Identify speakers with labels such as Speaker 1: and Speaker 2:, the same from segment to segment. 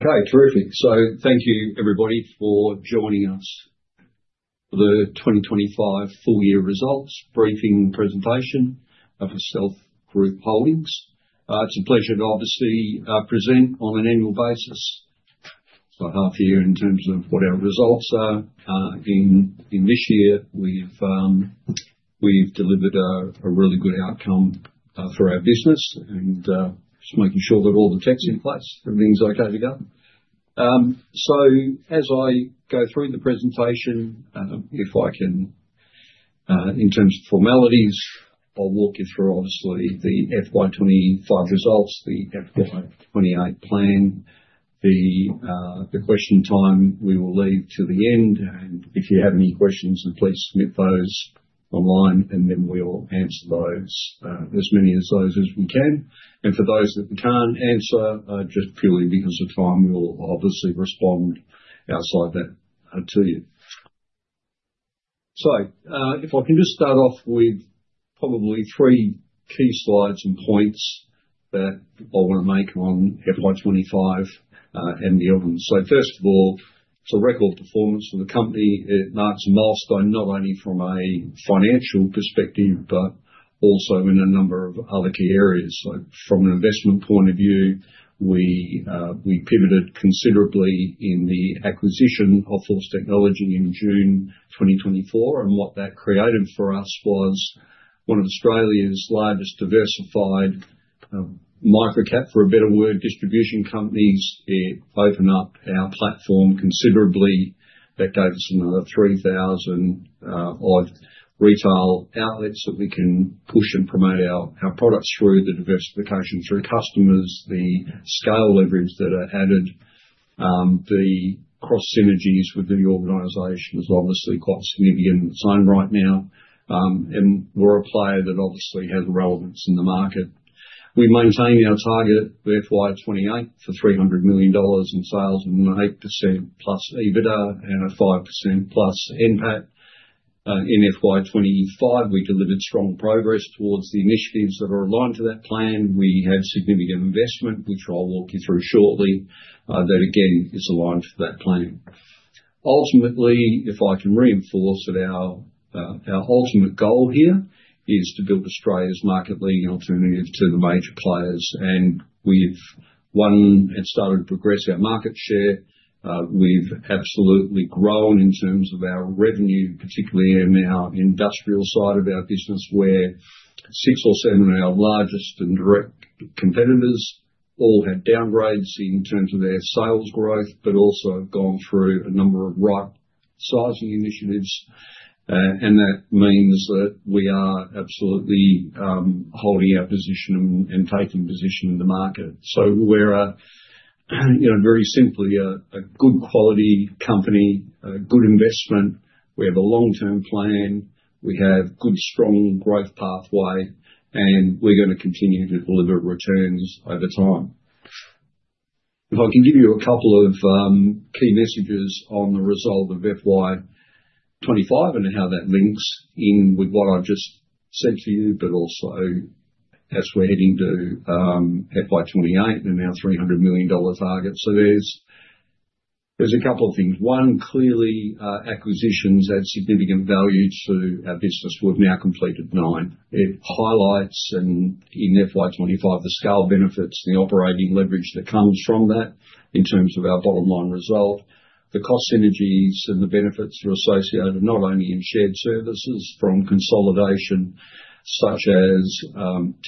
Speaker 1: Okay, terrific. Thank you, everybody, for joining us for the 2025 Full-Year Results Briefing Presentation of Stealth Group Holdings. It's a pleasure to obviously present on an annual basis for half a year in terms of what our results are. In this year, we've delivered a really good outcome for our business and just making sure that all the tech's in place, everything's okay to go. As I go through the presentation, if I can, in terms of formalities, I'll walk you through obviously the FY 2025 results, the FY 2028 plan, the question time we will leave to the end. If you have any questions, please submit those online, and then we'll answer as many of those as we can. For those that we can't answer, just purely because of time, we will obviously respond outside that to you. If I can just start off with probably three key slides and points that I want to make on FY 2025 and the others. First of all, it's a record performance for the company. It marks a milestone not only from a financial perspective, but also in a number of other key areas. From an investment point of view, we pivoted considerably in the acquisition of Force Technology in June 2024. What that created for us was one of Australia's largest diversified microcap, for a better word, distribution companies. It opened up our platform considerably. That gave us another 3,000 of retail outlets that we can push and promote our products through, the diversification through customers, the scale leverage that are added. The cross synergies within the organization is obviously quite significant at the time right now, and we're a player that obviously has relevance in the market. We maintain our target for FY 2028 for 300 million dollars in sales and an +8% EBITDA and a +5% NPAT. In FY 2025, we delivered strong progress towards the initiatives that are aligned to that plan. We had significant investment, which I'll walk you through shortly, that again is aligned to that plan. Ultimately, if I can reinforce that our ultimate goal here is to build Australia's market-leading alternative to the major players. We've won and started to progress our market share. We've absolutely grown in terms of our revenue, particularly in our industrial side of our business, where six or seven of our largest and direct competitors all had downgrades in terms of their sales growth, but also have gone through a number of right sizing initiatives. That means that we are absolutely holding our position and taking position in the market. We are very simply a good quality company, a good investment. We have a long-term plan. We have a good, strong growth pathway, and we're going to continue to deliver returns over time. If I can give you a couple of key messages on the result of FY 2025 and how that links in with what I've just said to you, but also as we're heading to FY 2028 and our AUD 300 million target. There are a couple of things. One, clearly acquisitions add significant value to our business. We've now completed nine. It highlights in FY 2025 the scale benefits and the operating leverage that comes from that in terms of our bottom-line result. The cost synergies and the benefits are associated not only in shared services from consolidation, such as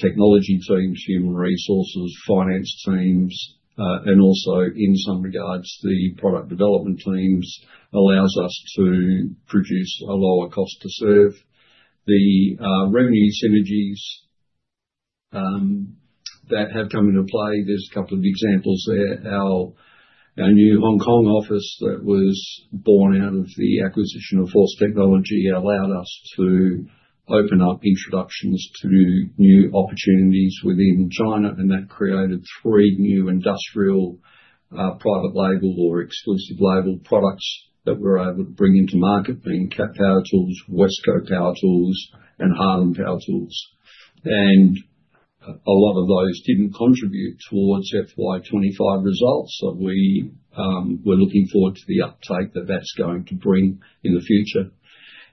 Speaker 1: technology teams, human resources, finance teams, and also in some regards, the product development teams allows us to produce a lower cost to serve. The revenue synergies that have come into play, there's a couple of examples there. Our new Hong Kong office that was born out of the acquisition of Force Technology International allowed us to open up introductions to new opportunities within China, and that created three new industrial private label or exclusive label products that we're able to bring into market, being Cap Power Tools, Westco Power Tools, and Harlem Power Tools. A lot of those didn't contribute towards FY 2025 results. We're looking forward to the uptake that that's going to bring in the future.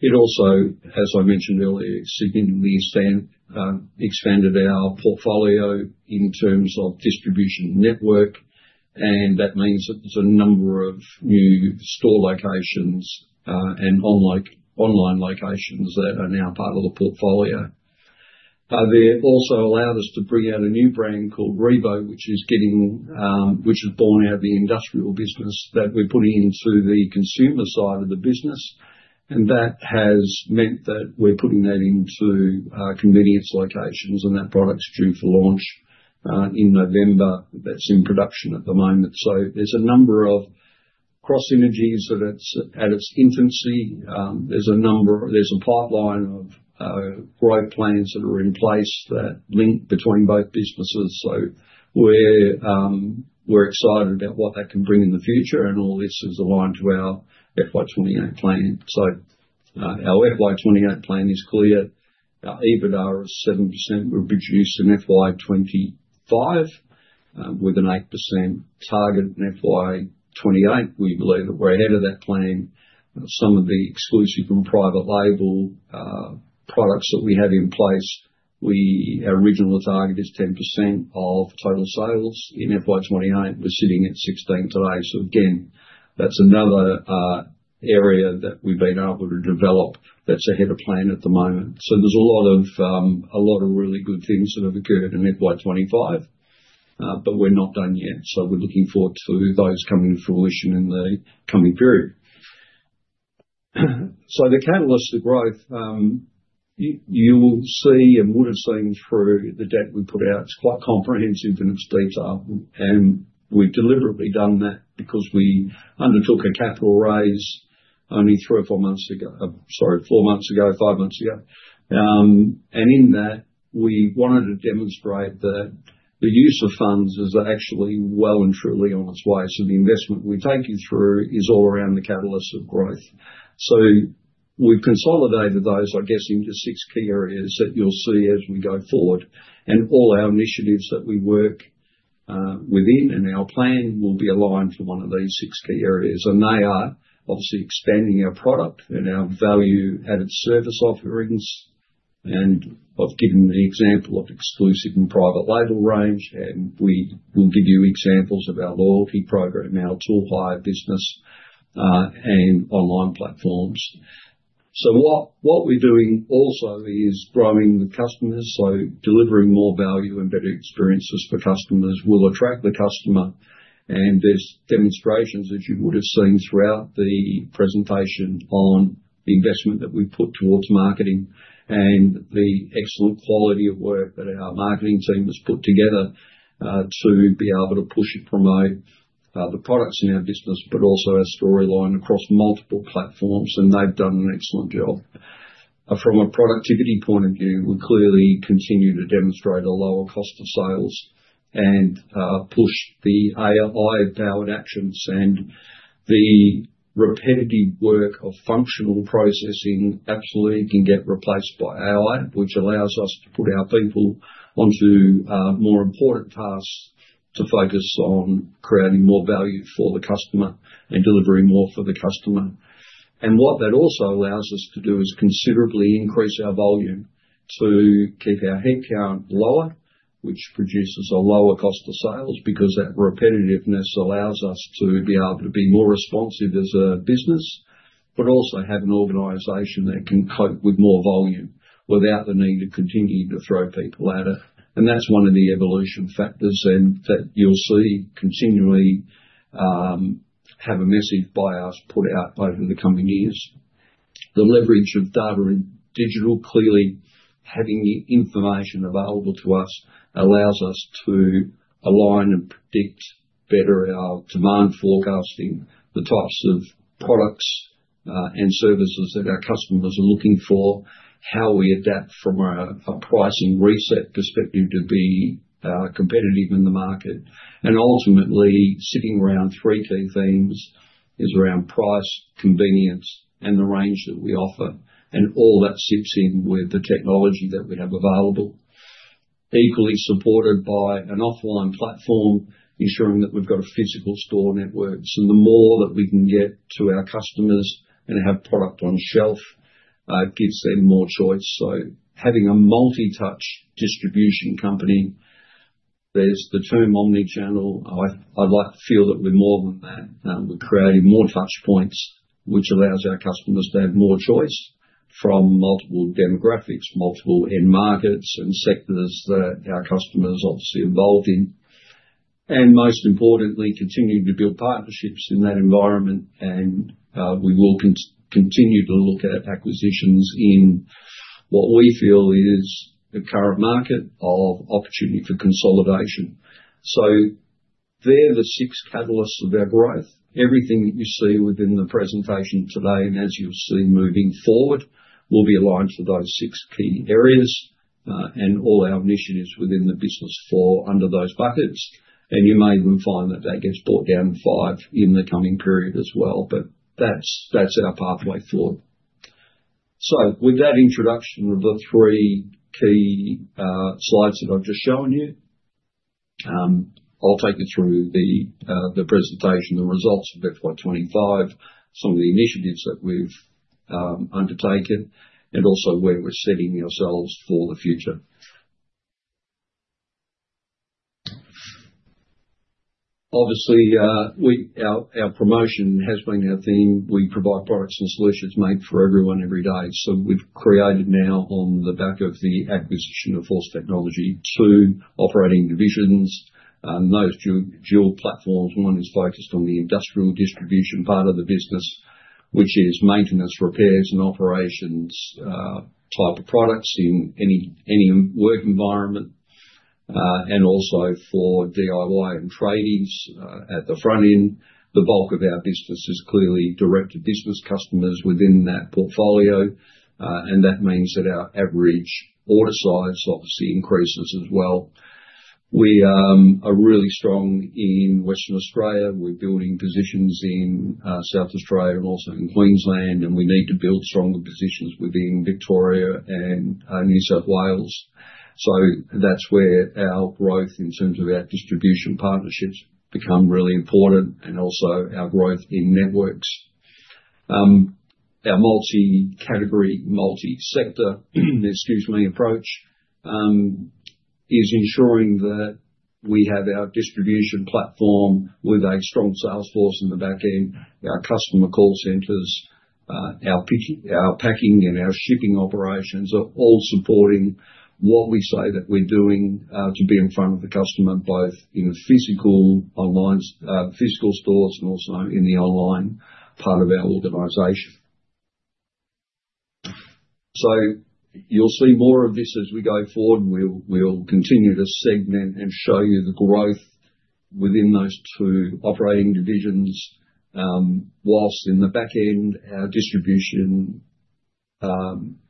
Speaker 1: It also, as I mentioned earlier, significantly expanded our portfolio in terms of distribution network. That means that there's a number of new store locations and online locations that are now part of the portfolio. They also allowed us to bring out a new brand called RIVO, which is born out of the industrial business that we're putting into the consumer side of the business. That has meant that we're putting that into convenience locations, and that product's due for launch in November. That's in production at the moment. There's a number of cross synergies that are at its infancy. There's a pipeline of growth plans that are in place that link between both businesses. We're excited about what that can bring in the future. All this is aligned to our FY 2028 plan. Our FY 2028 plan is clear. Our EBITDA is 7%. We've reduced in FY 2025 with an 8% target in FY 2028. We believe that we're ahead of that plan. Some of the exclusive and private label products that we have in place, our original target is 10% of total sales in FY 2028. We're sitting at 16% today. Again, that's another area that we've been able to develop that's ahead of plan at the moment. There's a lot of really good things that have occurred in FY 2025, but we're not done yet. We're looking forward to those coming to fruition in the coming period. The catalyst for growth, you will see and would have seen through the deck we put out. It's quite comprehensive in its detail. We have deliberately done that because we undertook a capital raise only three or four months ago—sorry, four months ago, five months ago. In that, we wanted to demonstrate that the use of funds is actually well and truly on its way. The investment we take you through is all around the catalyst of growth. We have consolidated those, I guess, into six key areas that you will see as we go forward. All our initiatives that we work within and our plan will be aligned for one of these six key areas. They are obviously expanding our product and our value-added service offerings. I have given the example of exclusive and private label range. We will give you examples of our loyalty program, our Tool Hire business, and online platforms. What we are doing also is growing the customers. Delivering more value and better experiences for customers will attract the customer. There are demonstrations, as you would have seen throughout the presentation, on the investment that we've put towards marketing and the excellent quality of work that our marketing team has put together to be able to push and promote the products in our business, but also our storyline across multiple platforms. They've done an excellent job. From a productivity point of view, we clearly continue to demonstrate a lower cost of sales and push the AI-powered actions. The repetitive work of functional processing absolutely can get replaced by AI, which allows us to put our people onto more important tasks to focus on creating more value for the customer and delivering more for the customer. What that also allows us to do is considerably increase our volume to keep our headcount lower, which produces a lower cost of sales because that repetitiveness allows us to be able to be more responsive as a business, but also have an organization that can cope with more volume without the need to continue to throw people at it. That's one of the evolution factors that you'll see continually have a message by us put out over the coming years. The leverage of data and digital, clearly having the information available to us, allows us to align and predict better our demand forecasting, the types of products and services that our customers are looking for, how we adapt from a pricing reset perspective to be competitive in the market. Ultimately, sitting around three key themes is around price, convenience, and the range that we offer. All that sits in with the technology that we have available, equally supported by an offline platform, ensuring that we've got a physical store network. The more that we can get to our customers and have product on shelf, it gives them more choice. Having a multi-touch distribution company, there's the term omnichannel. I'd like to feel that we're more than that. We're creating more touchpoints, which allows our customers to have more choice from multiple demographics, multiple end markets, and sectors that our customers are obviously involved in. Most importantly, continuing to build partnerships in that environment. We will continue to look at acquisitions in what we feel is the current market of opportunity for consolidation. They're the six catalysts of our growth. Everything that you see within the presentation today and as you'll see moving forward will be aligned to those six key areas and all our initiatives within the business fall under those buckets. You may even find that that gets brought down to five in the coming period as well. That is our pathway forward. With that introduction of the three key slides that I've just shown you, I'll take you through the presentation, the results of FY 2025, some of the initiatives that we've undertaken, and also where we're setting ourselves for the future. Obviously, our promotion has been our theme. We provide products and solutions made for everyone every day. We've created now, on the back of the acquisition of Force Technology International, two operating divisions. Most dual platforms. One is focused on the industrial distribution part of the business, which is maintenance, repairs, and operations type of products in any work environment. Also for DIY and tradies at the front end. The bulk of our business is clearly directed business customers within that portfolio. That means that our average order size obviously increases as well. We are really strong in Western Australia. We are building positions in South Australia and also in Queensland. We need to build stronger positions within Victoria and New South Wales. That is where our growth in terms of our distribution partnerships becomes really important and also our growth in networks. Our multi-category, multi-sector, excuse me, approach is ensuring that we have our distribution platform with a strong sales force in the back end. Our customer call centers, our picking, and our shipping operations are all supporting what we say that we're doing to be in front of the customer, both in physical stores and also in the online part of our organization. You will see more of this as we go forward. We will continue to segment and show you the growth within those two operating divisions. Whilst in the back end, our distribution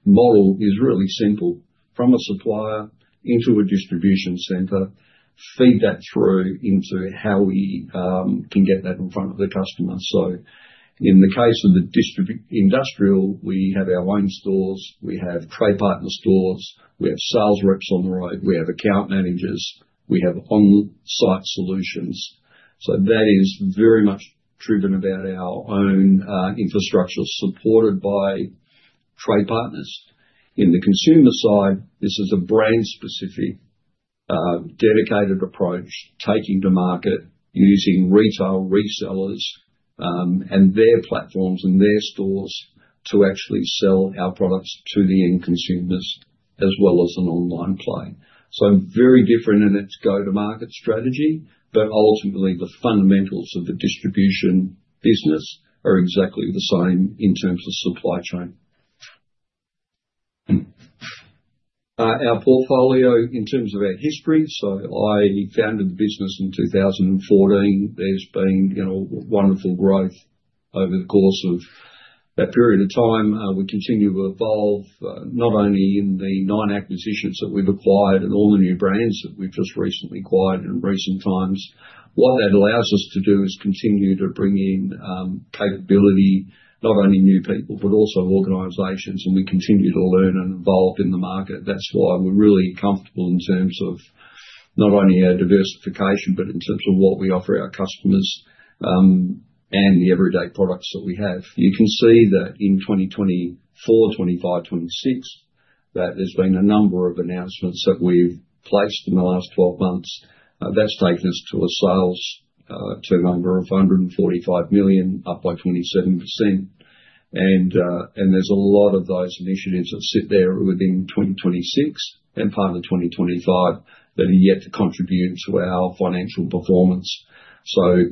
Speaker 1: model is really simple. From a supplier into a distribution center, feed that through into how we can get that in front of the customer. In the case of the industrial, we have our own stores. We have trade partner stores. We have sales reps on the road. We have account managers. We have on-site solutions. That is very much driven about our own infrastructure supported by trade partners. In the consumer side, this is a brand-specific dedicated approach, taking to market, using retail resellers and their platforms and their stores to actually sell our products to the end consumers as well as an online play. Very different in its go-to-market strategy, but ultimately, the fundamentals of the distribution business are exactly the same in terms of supply chain. Our portfolio in terms of our history. I founded the business in 2014. There's been wonderful growth over the course of that period of time. We continue to evolve not only in the nine acquisitions that we've acquired and all the new brands that we've just recently acquired in recent times. What that allows us to do is continue to bring in capability, not only new people, but also organizations. We continue to learn and evolve in the market. That's why we're really comfortable in terms of not only our diversification, but in terms of what we offer our customers and the everyday products that we have. You can see that in 2024, 2025, 2026, that there's been a number of announcements that we've placed in the last 12 months. That has taken us to a sales turnover of 145 million, up by 27%. There are a lot of those initiatives that sit there within 2026 and part of 2025 that are yet to contribute to our financial performance.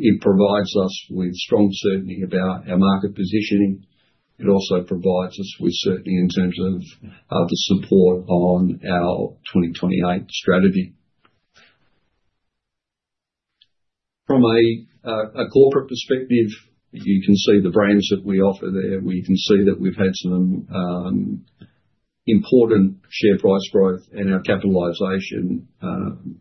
Speaker 1: It provides us with strong certainty about our market positioning. It also provides us with certainty in terms of the support on our 2028 strategy. From a corporate perspective, you can see the brands that we offer there. We can see that we've had some important share price growth, and our capitalization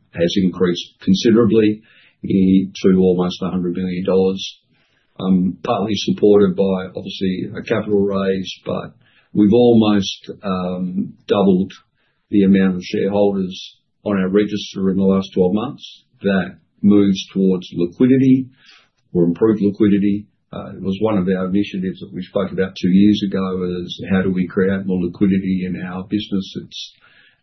Speaker 1: has increased considerably to almost 100 million dollars, partly supported by, obviously, a capital raise. We've almost doubled the amount of shareholders on our register in the last 12 months. That moves towards liquidity or improved liquidity. It was one of our initiatives that we spoke about two years ago, is how do we create more liquidity in our business?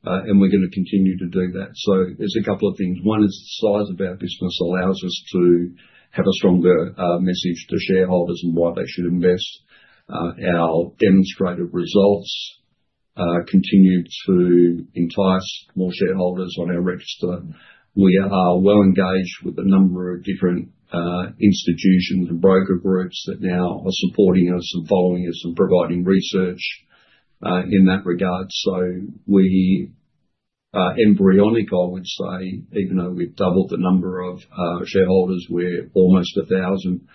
Speaker 1: We're going to continue to do that. There's a couple of things. One is the size of our business allows us to have a stronger message to shareholders and why they should invest. Our demonstrated results continue to entice more shareholders on our register. We are well engaged with a number of different institutions and broker groups that now are supporting us and following us and providing research in that regard. Embryonic, I would say, even though we've doubled the number of shareholders, we're almost 1,000.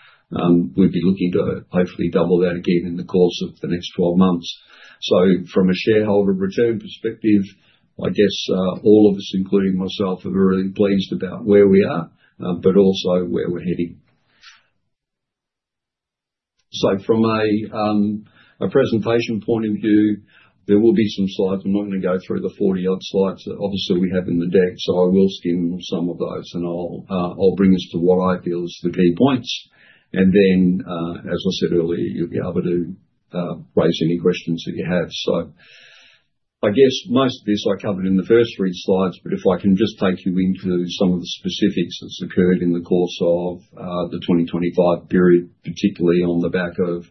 Speaker 1: We'd be looking to hopefully double that again in the course of the next 12 months. From a shareholder return perspective, I guess all of us, including myself, are really pleased about where we are, but also where we're heading. From a presentation point of view, there will be some slides. I'm not going to go through the 40-odd slides that obviously we have in the deck. I will skim some of those, and I'll bring us to what I feel is the key points. As I said earlier, you'll be able to raise any questions that you have. I guess most of this I covered in the first three slides, but if I can just take you into some of the specifics that's occurred in the course of the 2025 period, particularly on the back of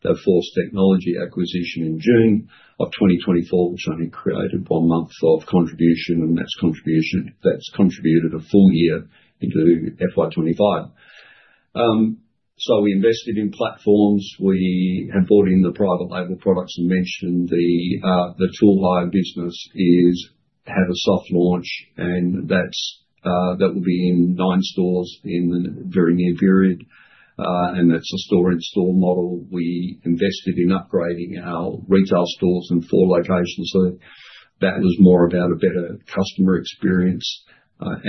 Speaker 1: the Force Technology International acquisition in June of 2024, which only created one month of contribution, and that's contributed a full year into FY 2025. We invested in platforms. We have bought in the private label products. I mentioned the Tool Hire business is have a soft launch, and that will be in nine stores in the very near period. That is a store-in-store model. We invested in upgrading our retail stores in four locations. That was more about a better customer experience. Our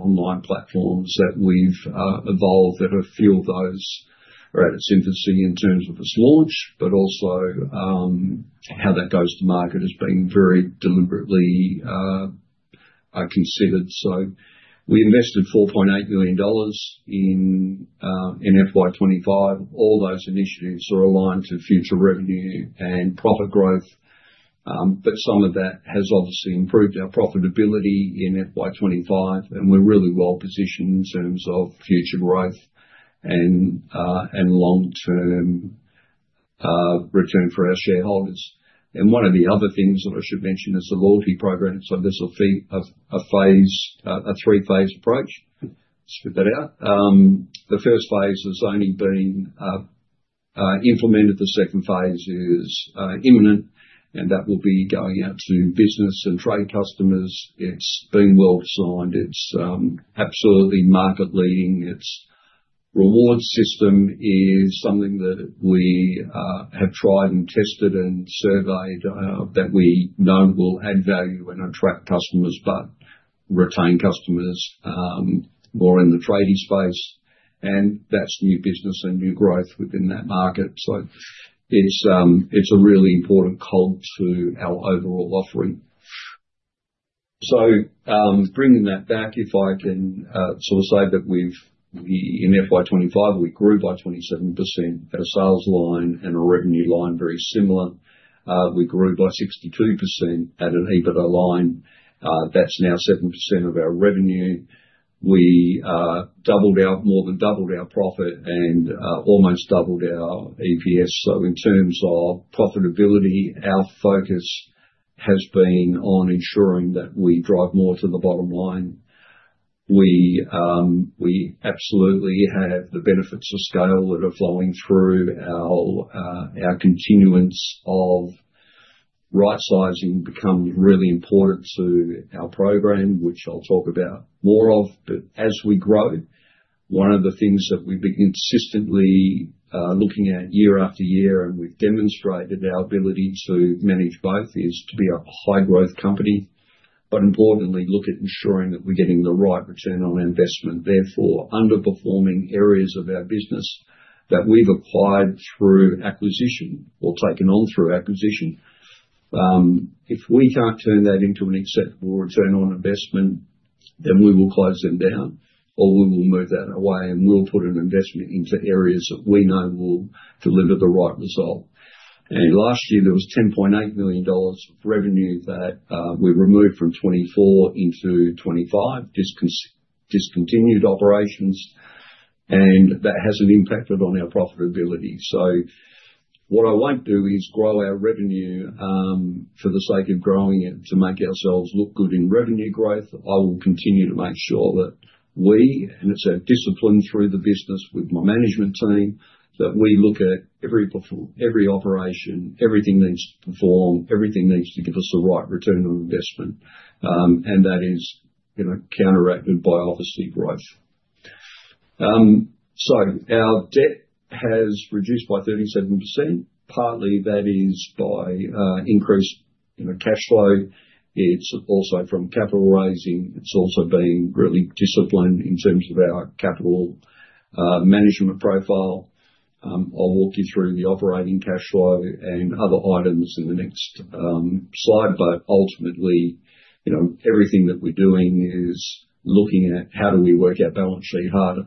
Speaker 1: online platforms that we've evolved that are fueled, those are at its infancy in terms of this launch, but also how that goes to market has been very deliberately considered. We invested 4.8 million dollars in FY 2025. All those initiatives are aligned to future revenue and profit growth. Some of that has obviously improved our profitability in FY 2025, and we're really well positioned in terms of future growth and long-term return for our shareholders. One of the other things that I should mention is the loyalty program. This will be a three-phase approach. Spit that out. The first phase has only been implemented. The second phase is imminent, and that will be going out to business and trade customers. It's been well designed. It's absolutely market-leading. Its reward system is something that we have tried and tested and surveyed that we know will add value and attract customers but retain customers more in the trading space. That is new business and new growth within that market. It is a really important cog to our overall offering. Bringing that back, if I can sort of say that in FY 2025, we grew by 27% at a sales line and a revenue line very similar. We grew by 62% at an EBITDA line. That is now 7% of our revenue. We doubled out, more than doubled our profit and almost doubled our EPS. In terms of profitability, our focus has been on ensuring that we drive more to the bottom line. We absolutely have the benefits of scale that are flowing through. Our continuance of right-sizing becomes really important to our program, which I will talk about more. As we grow, one of the things that we've been consistently looking at year after year and we've demonstrated our ability to manage both is to be a high-growth company. Importantly, look at ensuring that we're getting the right return on investment. Therefore, underperforming areas of our business that we've acquired through acquisition or taken on through acquisition, if we can't turn that into an acceptable return on investment, then we will close them down or we will move that away and we'll put an investment into areas that we know will deliver the right result. Last year, there was 10.8 million dollars of revenue that we removed from 2024 into 2025, discontinued operations. That hasn't impacted on our profitability. What I won't do is grow our revenue for the sake of growing it to make ourselves look good in revenue growth. I will continue to make sure that we, and it's our discipline through the business with my management team, that we look at every operation, everything needs to perform, everything needs to give us the right return on investment. That is counteracted by obviously growth. Our debt has reduced by 37%. Partly, that is by increased cash flow. It's also from capital raising. It's also been really disciplined in terms of our capital management profile. I'll walk you through the operating cash flow and other items in the next slide. Ultimately, everything that we're doing is looking at how do we work our balance sheet harder.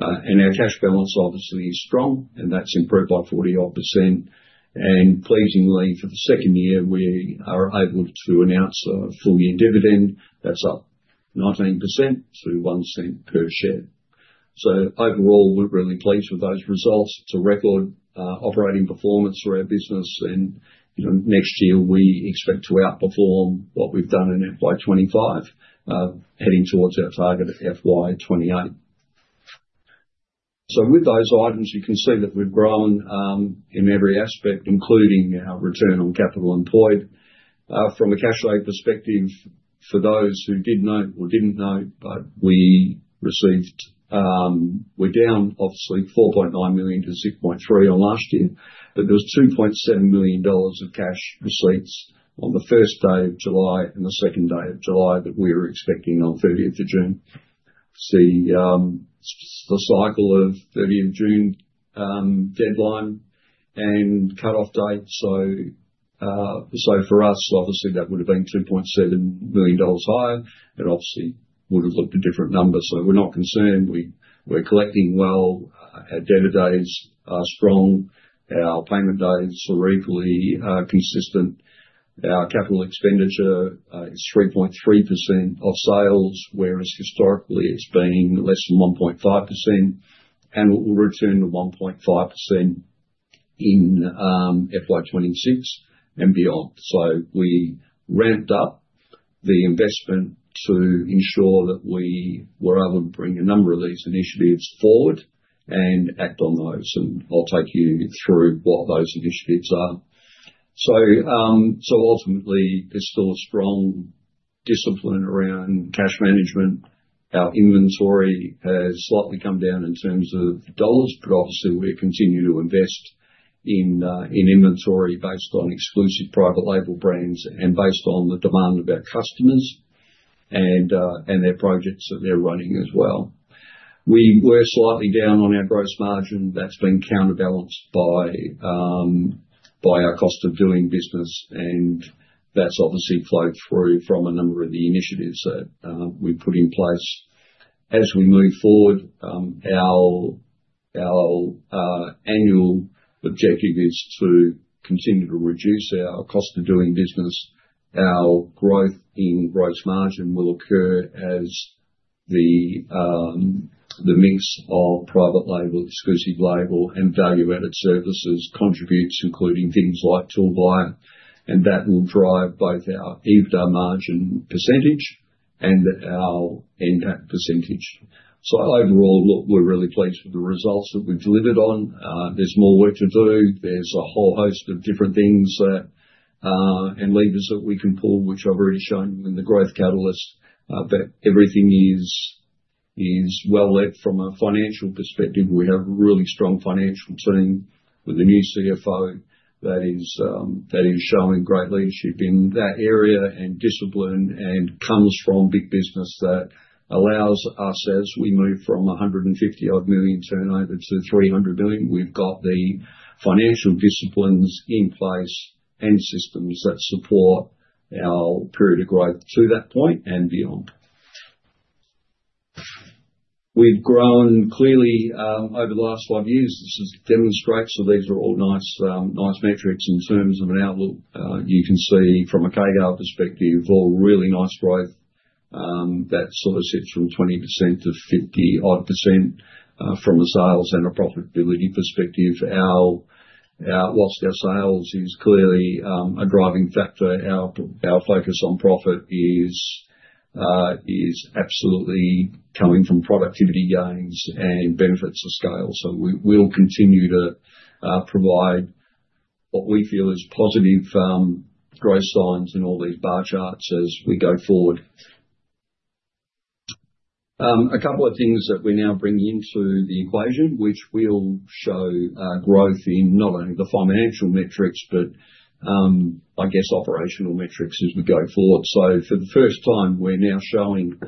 Speaker 1: Our cash balance obviously is strong, and that's improved by 40%. Pleasingly, for the second year, we are able to announce a full-year dividend. That's up 19% to 0.01 per share. Overall, we're really pleased with those results. It's a record operating performance for our business. Next year, we expect to outperform what we've done in FY 2025, heading towards our target at FY 2028. With those items, you can see that we've grown in every aspect, including our return on capital employed. From a cash flow perspective, for those who did know or didn't know, we received—we're down, obviously, 4.9 million to 6.3 million last year. There was 2.7 million dollars of cash receipts on the first day of July and the second day of July that we were expecting on 30th of June. See the cycle of 30th of June deadline and cutoff date. For us, obviously, that would have been 2.7 million dollars higher and obviously would have looked at different numbers. We're not concerned. We're collecting well. Our debtor days are strong. Our payment days are equally consistent. Our capital expenditure is 3.3% of sales, whereas historically, it's been less than 1.5%. It will return to 1.5% in FY 2026 and beyond. We ramped up the investment to ensure that we were able to bring a number of these initiatives forward and act on those. I'll take you through what those initiatives are. Ultimately, there's still a strong discipline around cash management. Our inventory has slightly come down in terms of dollars, but obviously, we continue to invest in inventory based on exclusive private label brands and based on the demand of our customers and their projects that they're running as well. We were slightly down on our gross margin. That's been counterbalanced by our cost of doing business. That's obviously flowed through from a number of the initiatives that we put in place. As we move forward, our annual objective is to continue to reduce our cost of doing business. Our growth in gross margin will occur as the mix of private label, exclusive label, and value-added services contributes, including things like tool-buy. That will drive both our EBITDA margin percentage and our impact percentage. Overall, look, we're really pleased with the results that we've delivered on. There's more work to do. There's a whole host of different things and levers that we can pull, which I've already shown you in the growth catalyst. Everything is well led from a financial perspective. We have a really strong financial team with a new CFO that is showing great leadership in that area and discipline and comes from big business that allows us, as we move from 150 million-odd turnover to 300 million, we've got the financial disciplines in place and systems that support our period of growth to that point and beyond. We've grown clearly over the last five years. This demonstrates. These are all nice metrics in terms of an outlook. You can see from a CAGR perspective, all really nice growth. That sort of sits from 20%-50%-odd from a sales and a profitability perspective. Whilst our sales is clearly a driving factor, our focus on profit is absolutely coming from productivity gains and benefits of scale. We will continue to provide what we feel is positive growth signs in all these bar charts as we go forward. A couple of things that we now bring into the equation, which will show growth in not only the financial metrics, but I guess operational metrics as we go forward. For the first time, we're now showing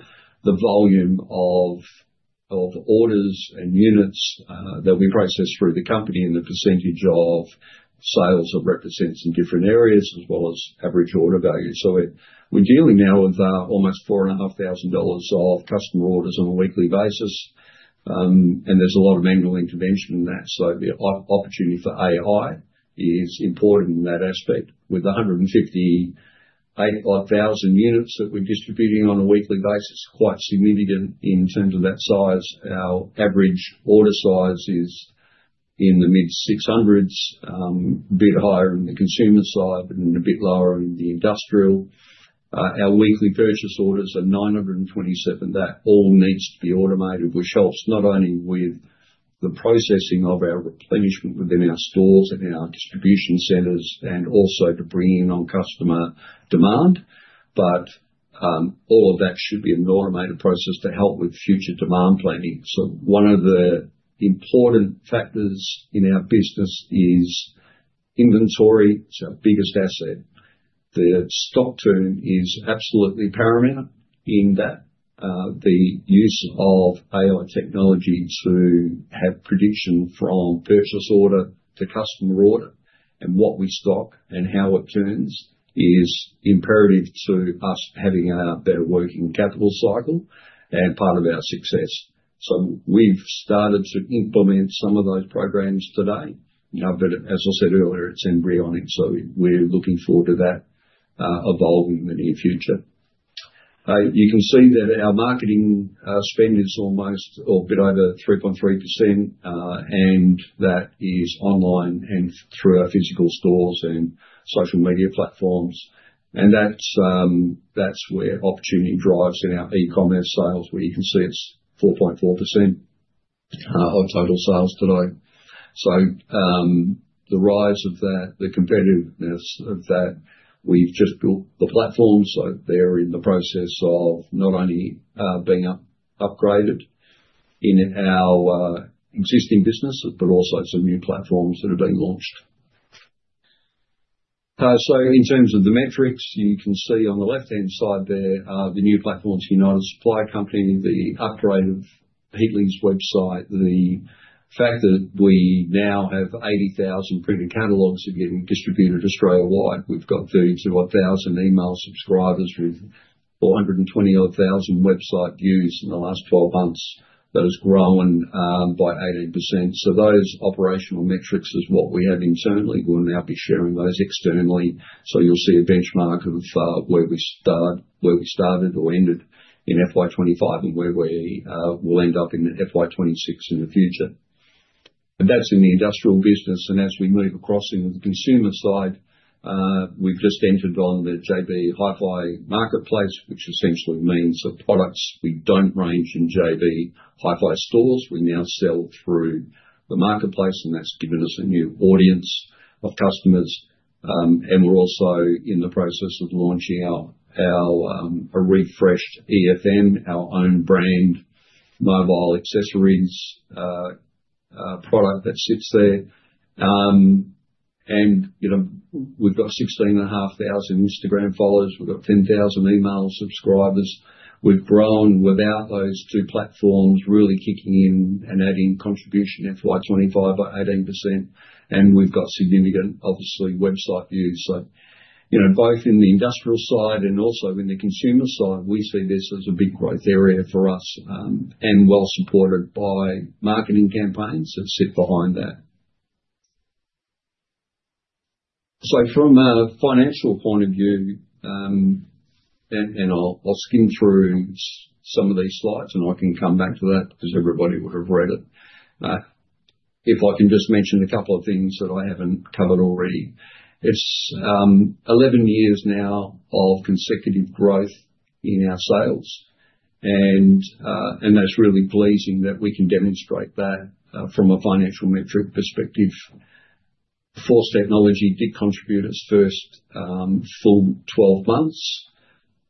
Speaker 1: the volume of orders and units that we process through the company and the percentage of sales that represents in different areas as well as average order value. We're dealing now with almost 4,500 dollars of customer orders on a weekly basis. There's a lot of manual intervention in that. The opportunity for AI is important in that aspect. With 150,000-odd units that we're distributing on a weekly basis, quite significant in terms of that size. Our average order size is in the mid-600s, a bit higher in the consumer side, but a bit lower in the industrial. Our weekly purchase orders are 927. That all needs to be automated, which helps not only with the processing of our replenishment within our stores and our distribution centers and also to bring in on customer demand, but all of that should be an automated process to help with future demand planning. One of the important factors in our business is inventory. It's our biggest asset. The stock turn is absolutely paramount in that. The use of AI technology to have prediction from purchase order to customer order and what we stock and how it turns is imperative to us having a better working capital cycle and part of our success. We've started to implement some of those programs today. As I said earlier, it's embryonic. We're looking forward to that evolving in the near future. You can see that our marketing spend is almost a bit over 3.3%, and that is online and through our physical stores and social media platforms. That is where opportunity drives in our e-commerce sales, where you can see it's 4.4% of total sales today. The rise of that, the competitiveness of that, we've just built the platform. They are in the process of not only being upgraded in our existing business, but also some new platforms that are being launched. In terms of the metrics, you can see on the left-hand side there are the new platforms, United Supply Company, the upgrade of Heatling's website, the fact that we now have 80,000 printed catalogs that are getting distributed Australia-wide. We've got 32,000 email subscribers with 420,000-odd website views in the last 12 months. That has grown by 18%. Those operational metrics are what we have internally. We'll now be sharing those externally. You'll see a benchmark of where we started or ended in FY 2025 and where we will end up in FY 2026 in the future. That is in the industrial business. As we move across into the consumer side, we've just entered on the JB Hi-Fi Marketplace, which essentially means the products we do not range in JB Hi-Fi stores, we now sell through the marketplace, and that has given us a new audience of customers. We're also in the process of launching a refreshed EFM, our own brand mobile accessories product that sits there. We've got 16,500 Instagram followers. We've got 10,000 email subscribers. We've grown without those two platforms really kicking in and adding contribution in FY 2025 by 18%. We've got significant, obviously, website views. Both in the industrial side and also in the consumer side, we see this as a big growth area for us and well supported by marketing campaigns that sit behind that. From a financial point of view, and I'll skim through some of these slides, I can come back to that because everybody would have read it. If I can just mention a couple of things that I haven't covered already. It is 11 years now of consecutive growth in our sales. That is really pleasing that we can demonstrate that from a financial metric perspective. Force Technology did contribute its first full 12 months.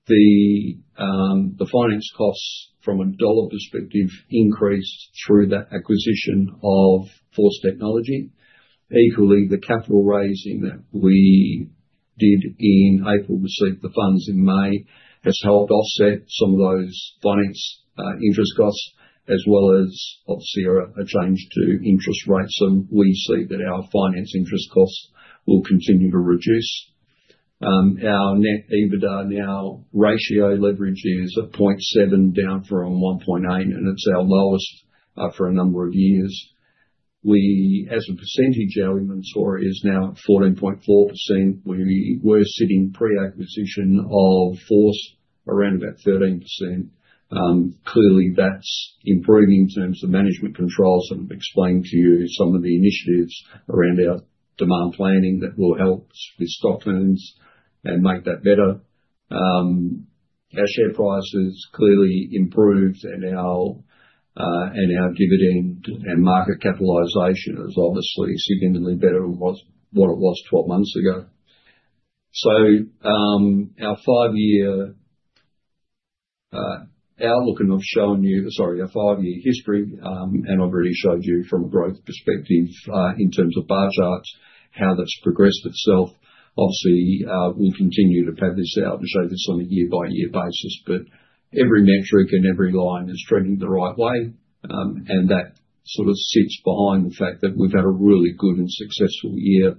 Speaker 1: The finance costs from a dollar perspective increased through that acquisition of Force Technology. Equally, the capital raising that we did in April received the funds in May has helped offset some of those finance interest costs, as well as, obviously, a change to interest rates. We see that our finance interest costs will continue to reduce. Our net EBITDA now ratio leverage is at 0.7x down from 1.8x, and it's our lowest for a number of years. As a percentage, our inventory is now at 14.4%. We were sitting pre-acquisition of Force around about 13%. Clearly, that's improving in terms of management controls. I have explained to you some of the initiatives around our demand planning that will help with stock turns and make that better. Our share price has clearly improved, and our dividend and market capitalization is obviously significantly better than what it was 12 months ago. Our five-year outlook, and I've shown you, sorry, our five-year history, and I've already showed you from a growth perspective in terms of bar charts, how that's progressed itself. Obviously, we'll continue to pad this out and show this on a year-by-year basis. Every metric and every line is trending the right way. That sort of sits behind the fact that we've had a really good and successful year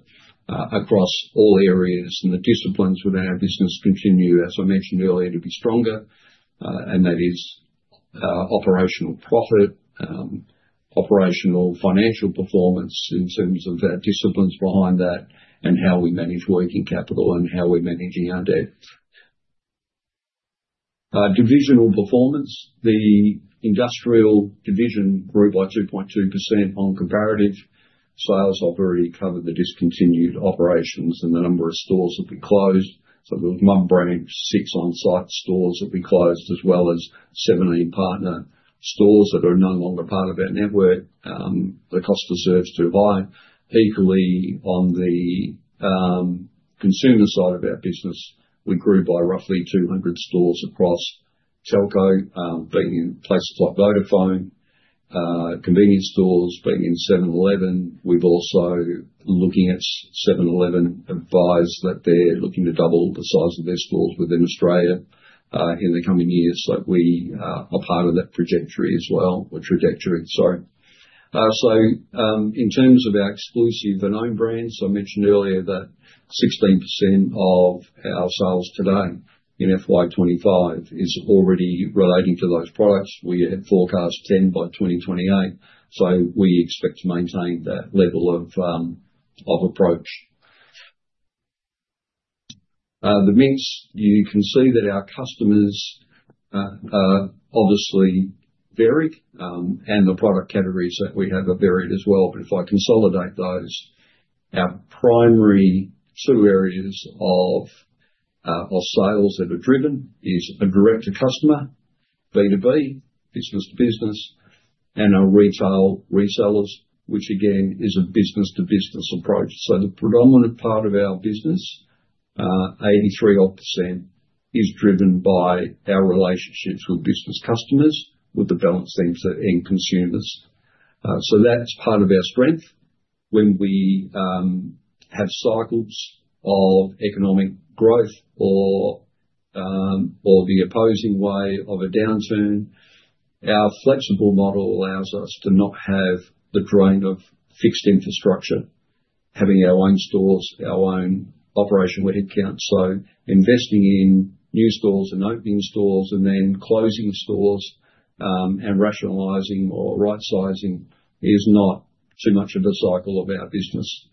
Speaker 1: across all areas. The disciplines within our business continue, as I mentioned earlier, to be stronger. That is operational profit, operational financial performance in terms of our disciplines behind that, and how we manage working capital, and how we're managing our debt. Divisional performance. The industrial division grew by 2.2% on comparative sales. I've already covered the discontinued operations and the number of stores that we closed. There was one branch, six on-site stores that we closed, as well as 17 partner stores that are no longer part of our network. The cost has served to buy. Equally, on the consumer side of our business, we grew by roughly 200 stores across Telco, bringing in place of Vodafone, convenience stores bringing in 7-Eleven. We've also looking at 7-Eleven advise that they're looking to double the size of their stores within Australia in the coming years. We are part of that trajectory as well, or trajectory, sorry. In terms of our exclusive and own brands, I mentioned earlier that 16% of our sales today in FY 2025 is already relating to those products. We had forecast 10% by 2028. We expect to maintain that level of approach. The mix, you can see that our customers are obviously varied, and the product categories that we have are varied as well. If I consolidate those, our primary two areas of sales that are driven is a direct-to-customer B2B, business-to-business, and our retail resellers, which again is a business-to-business approach. The predominant part of our business, 83% odd, is driven by our relationships with business customers, with the balance things that end consumers. That is part of our strength. When we have cycles of economic growth or the opposing way of a downturn, our flexible model allows us to not have the drain of fixed infrastructure, having our own stores, our own operation with headcount. Investing in new stores and opening stores and then closing stores and rationalizing or right-sizing is not too much of a cycle of our business.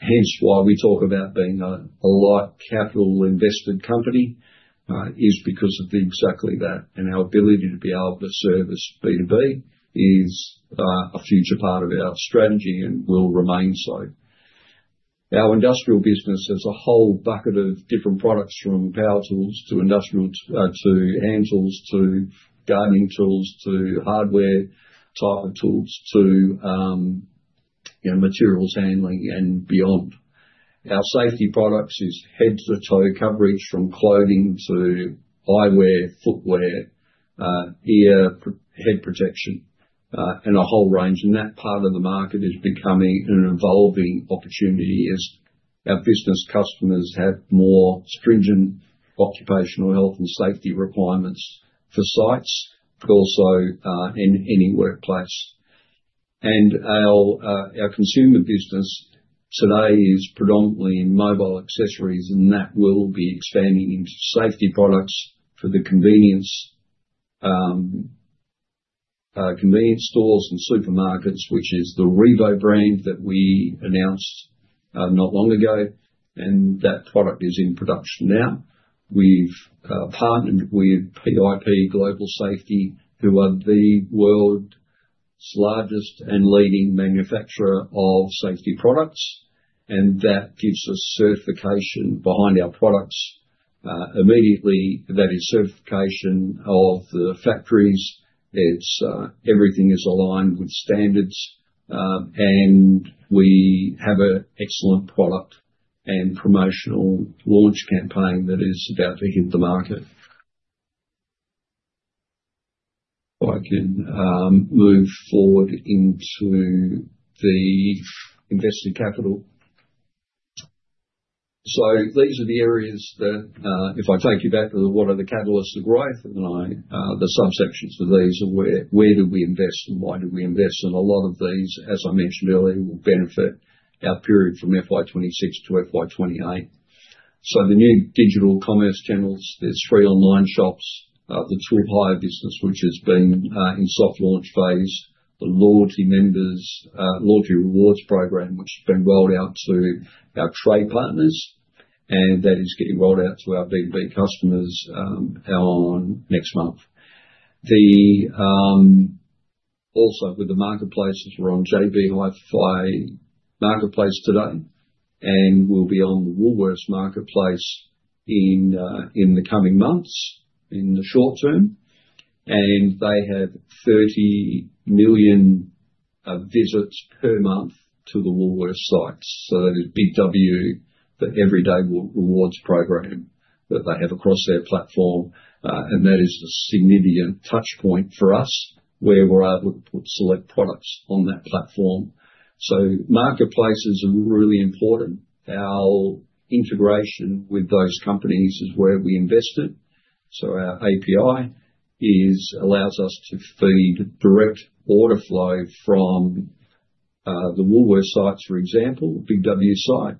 Speaker 1: Hence why we talk about being a light capital investment company is because of exactly that. Our ability to be able to service B2B is a future part of our strategy and will remain so. Our industrial business has a whole bucket of different products from power tools to hand tools to gardening tools to hardware type of tools to materials handling and beyond. Our safety products is head-to-toe coverage from clothing to eyewear, footwear, ear, head protection, and a whole range. That part of the market is becoming an evolving opportunity as our business customers have more stringent occupational health and safety requirements for sites, but also in any workplace. Our consumer business today is predominantly in mobile accessories, and that will be expanding into safety products for the convenience stores and supermarkets, which is the RIVO brand that we announced not long ago. That product is in production now. We've partnered with PIP Global Safety, who are the world's largest and leading manufacturer of safety products. That gives us certification behind our products immediately. That is certification of the factories. Everything is aligned with standards, and we have an excellent product and promotional launch campaign that is about to hit the market. I can move forward into the invested capital. These are the areas that, if I take you back to the what are the catalysts of growth, and the subsections of these are where do we invest and why do we invest. A lot of these, as I mentioned earlier, will benefit our period from FY 2026 to FY 2028. The new digital commerce channels, there's three online shops, the [Tool Hire] business, which has been in soft launch phase, the Loyalty Rewards program, which has been rolled out to our trade partners, and that is getting rolled out to our B2B customers next month. Also with the marketplaces, we're on JB Hi-Fi Marketplace today, and we'll be on the Woolworths Marketplace in the coming months in the short term. They have 30 million visits per month to the Woolworths sites. That is Big W for Everyday Rewards program that they have across their platform. That is a significant touchpoint for us where we're able to put select products on that platform. Marketplaces are really important. Our integration with those companies is where we invest in. Our API allows us to feed direct order flow from the Woolworths sites, for example, the Big W site.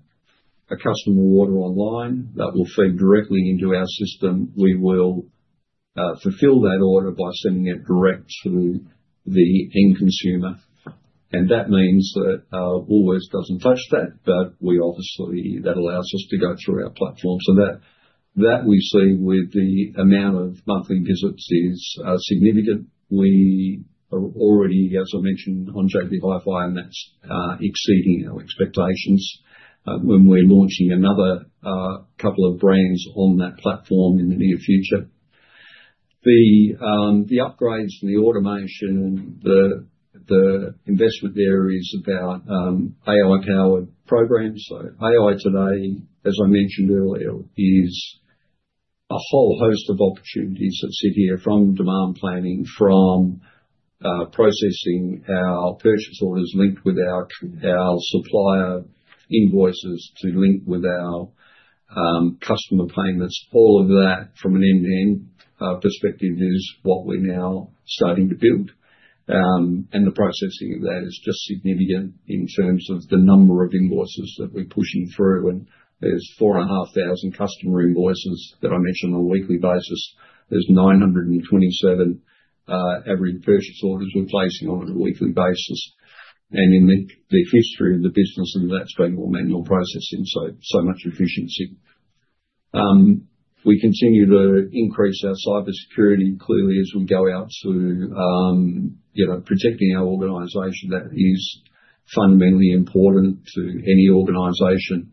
Speaker 1: A customer order online will feed directly into our system. We will fulfill that order by sending it direct to the end consumer. That means that Woolworths does not touch that, but obviously that allows us to go through our platform. We see that the amount of monthly visits is significant. We are already, as I mentioned, on JB Hi-Fi, and that is exceeding our expectations. We are launching another couple of brands on that platform in the near future. The upgrades and the automation, the investment there is about AI-powered programs. AI today, as I mentioned earlier, is a whole host of opportunities that sit here from demand planning, from processing our purchase orders linked with our supplier invoices to link with our customer payments. All of that from an end-to-end perspective is what we're now starting to build. The processing of that is just significant in terms of the number of invoices that we're pushing through. There's 4,500 customer invoices that I mentioned on a weekly basis. There's 927 average purchase orders we're placing on a weekly basis. In the history of the business, that's been all manual processing, so much efficiency. We continue to increase our cybersecurity clearly as we go out to protecting our organization. That is fundamentally important to any organization.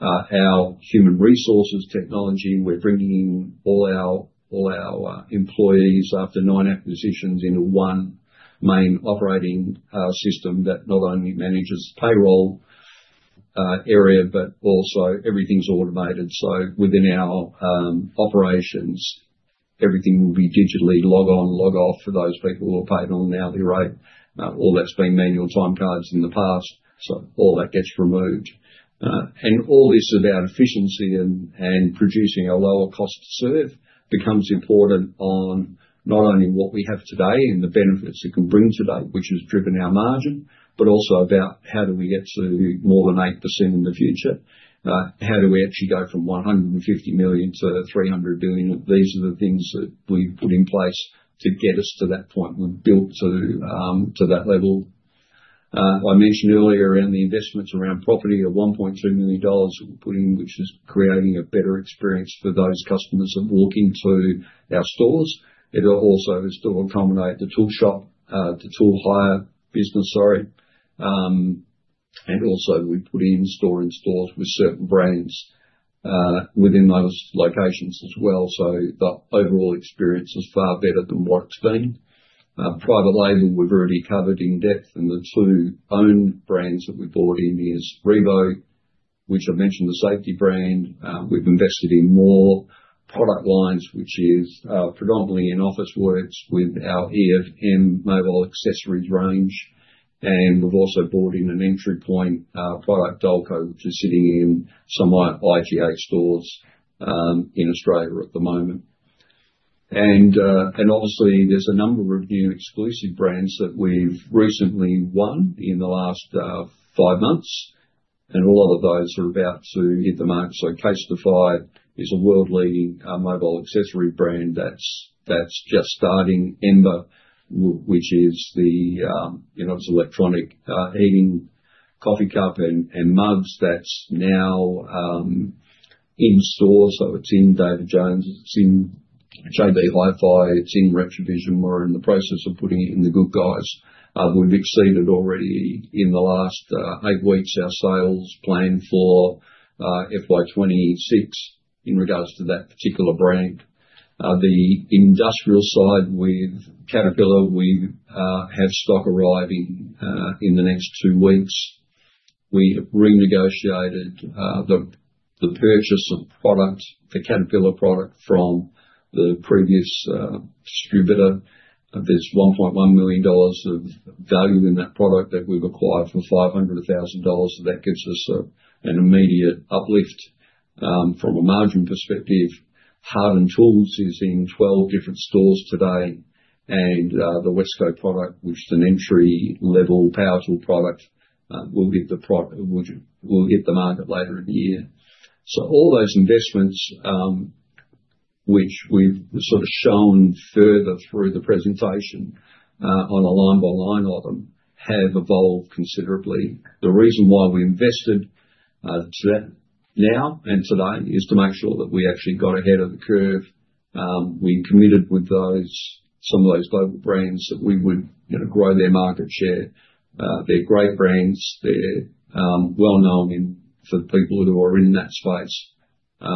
Speaker 1: Our human resources technology, we're bringing all our employees after nine acquisitions into one main operating system that not only manages payroll area, but also everything's automated. Within our operations, everything will be digitally log on, log off for those people who are paid on an hourly rate. All that's been manual time cards in the past. All that gets removed. All this about efficiency and producing a lower cost to serve becomes important on not only what we have today and the benefits it can bring today, which has driven our margin, but also about how do we get to more than 8% in the future? How do we actually go from 150 million to 300 billion? These are the things that we've put in place to get us to that point. We've built to that level. I mentioned earlier around the investments around property of 1.2 million dollars that we're putting, which is creating a better experience for those customers that walk into our stores. It also is to accommodate the tool shop, the Tool Hire business, sorry. Also, we put in store in stores with certain brands within those locations as well. The overall experience is far better than what it's been. Private label, we've already covered in depth. The two own brands that we bought in are RIVO, which I mentioned, the safety brand. We've invested in more product lines, which is predominantly in Officeworks with our EFM mobile accessories range. We've also bought in an entry point product, Dalco, which is sitting in some IGA stores in Australia at the moment. Obviously, there's a number of new exclusive brands that we've recently won in the last five months. A lot of those are about to hit the market. CASETiFY is a world-leading mobile accessory brand that's just starting. Ember, which is the electronic heating coffee cup and mugs, is now in stores. It's in David Jones. It's in JB Hi-Fi. It's in Retrovision. We're in the process of putting it in The Good Guys. We've exceeded already in the last eight weeks our sales plan for FY 2026 in regards to that particular brand. The industrial side with Caterpillar, we have stock arriving in the next two weeks. We renegotiated the purchase of product, the Caterpillar product from the previous distributor. There's 1.1 million dollars of value in that product that we've acquired for 500,000 dollars. That gives us an immediate uplift from a margin perspective. Hardened Tools is in 12 different stores today. The Westco product, which is an entry-level power tool product, will hit the market later in the year. All those investments, which we've sort of shown further through the presentation on a line-by-line item, have evolved considerably. The reason why we invested now and today is to make sure that we actually got ahead of the curve. We committed with some of those global brands that we would grow their market share. They're great brands. They're well-known for the people who are in that space. They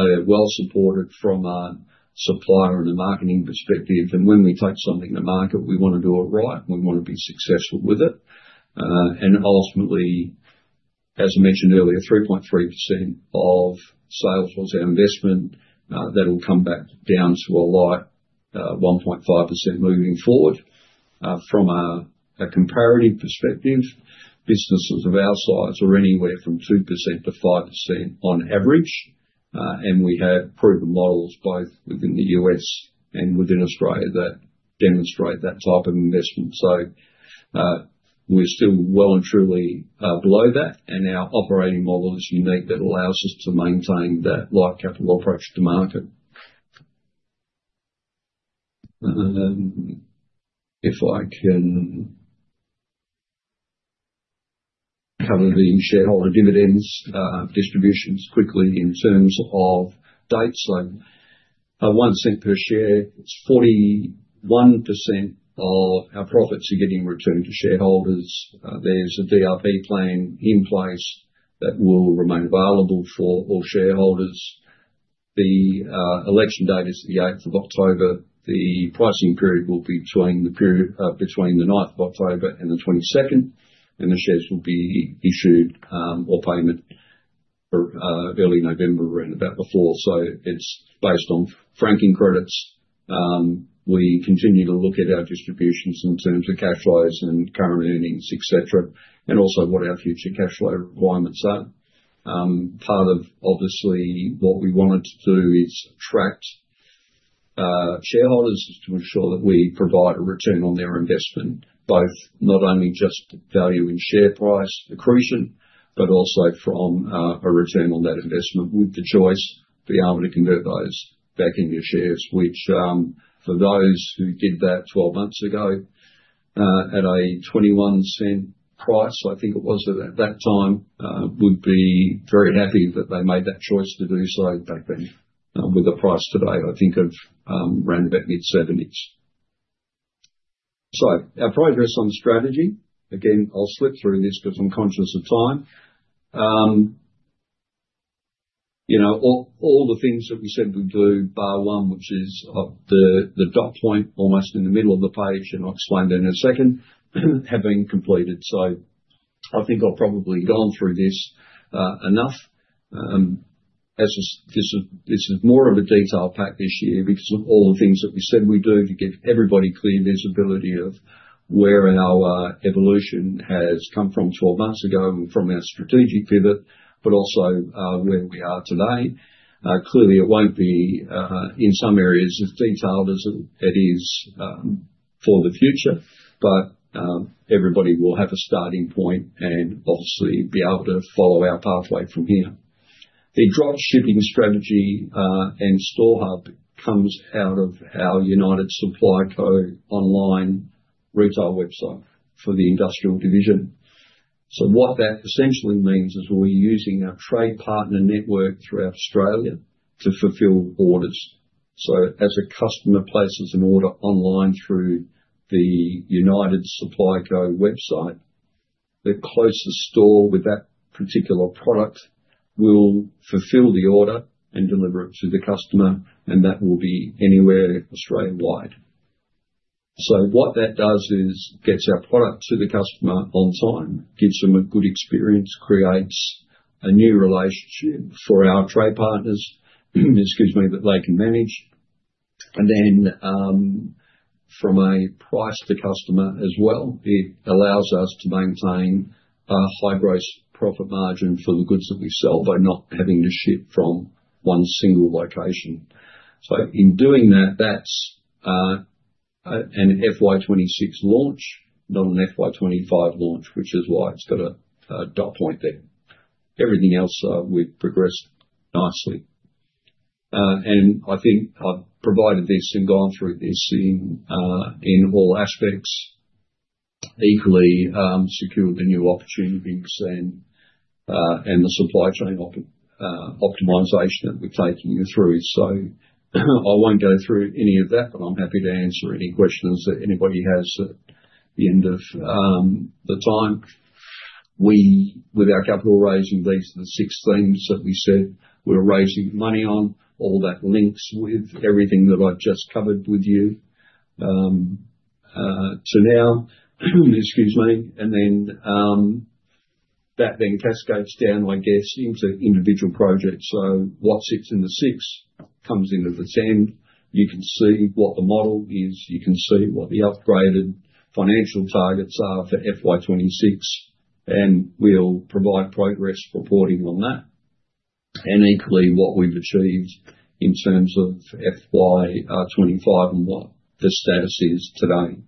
Speaker 1: are well-supported from a supplier and a marketing perspective. When we take something to market, we want to do it right. We want to be successful with it. Ultimately, as I mentioned earlier, 3.3% of sales was our investment. That will come back down to a light 1.5% moving forward. From a comparative perspective, businesses of our size are anywhere from 2%-5% on average. We have proven models both within the U.S. and within Australia that demonstrate that type of investment. We are still well and truly below that. Our operating model is unique and allows us to maintain that light capital approach to market. If I can cover the shareholder dividends distributions quickly in terms of dates. One cent per share, it's 41% of our profits are getting returned to shareholders. There is a DRP plan in place that will remain available for all shareholders. The election date is the 8th of October. The pricing period will be between the 9th of October and the 22nd. The shares will be issued or payment early November, around about before. It is based on franking credits. We continue to look at our distributions in terms of cash flows and current earnings, etc., and also what our future cash flow requirements are. Part of, obviously, what we wanted to do is attract shareholders to ensure that we provide a return on their investment, both not only just value in share price accretion, but also from a return on that investment with the choice to be able to convert those back into shares, which for those who did that 12 months ago at a 0.21 price, I think it was at that time, would be very happy that they made that choice to do so back then with a price today, I think, of around about mid-70s. Our progress on the strategy. Again, I'll slip through this because I'm conscious of time. All the things that we said we'd do, bar one, which is the dot point almost in the middle of the page, and I'll explain that in a second, have been completed. I think I've probably gone through this enough. This is more of a detailed pack this year because of all the things that we said we'd do to give everybody clear visibility of where our evolution has come from 12 months ago and from our strategic pivot, but also where we are today. Clearly, it won't be in some areas as detailed as it is for the future, but everybody will have a starting point and obviously be able to follow our pathway from here. The dropshipping strategy and store hub comes out of our United Supply Co online retail website for the industrial division. What that essentially means is we're using our trade partner network throughout Australia to fulfill orders. As a customer places an order online through the United Supply Co website, the closest store with that particular product will fulfill the order and deliver it to the customer, and that will be anywhere Australia-wide. What that does is gets our product to the customer on time, gives them a good experience, creates a new relationship for our trade partners, excuse me, that they can manage. From a price to customer as well, it allows us to maintain a high gross profit margin for the goods that we sell by not having to ship from one single location. In doing that, that's an FY 2026 launch, not an FY 2025 launch, which is why it's got a dot point there. Everything else we've progressed nicely. I think I've provided this and gone through this in all aspects, equally secured the new opportunities and the supply chain optimization that we're taking you through. I won't go through any of that, but I'm happy to answer any questions that anybody has at the end of the time. With our capital raising, these are the six things that we said we're raising money on. All that links with everything that I've just covered with you to now, excuse me. That then cascades down, I guess, into individual projects. What sits in the six comes into the ten. You can see what the model is. You can see what the upgraded financial targets are for FY 2026. We'll provide progress reporting on that. Equally, what we've achieved in terms of FY 2025 and what the status is today.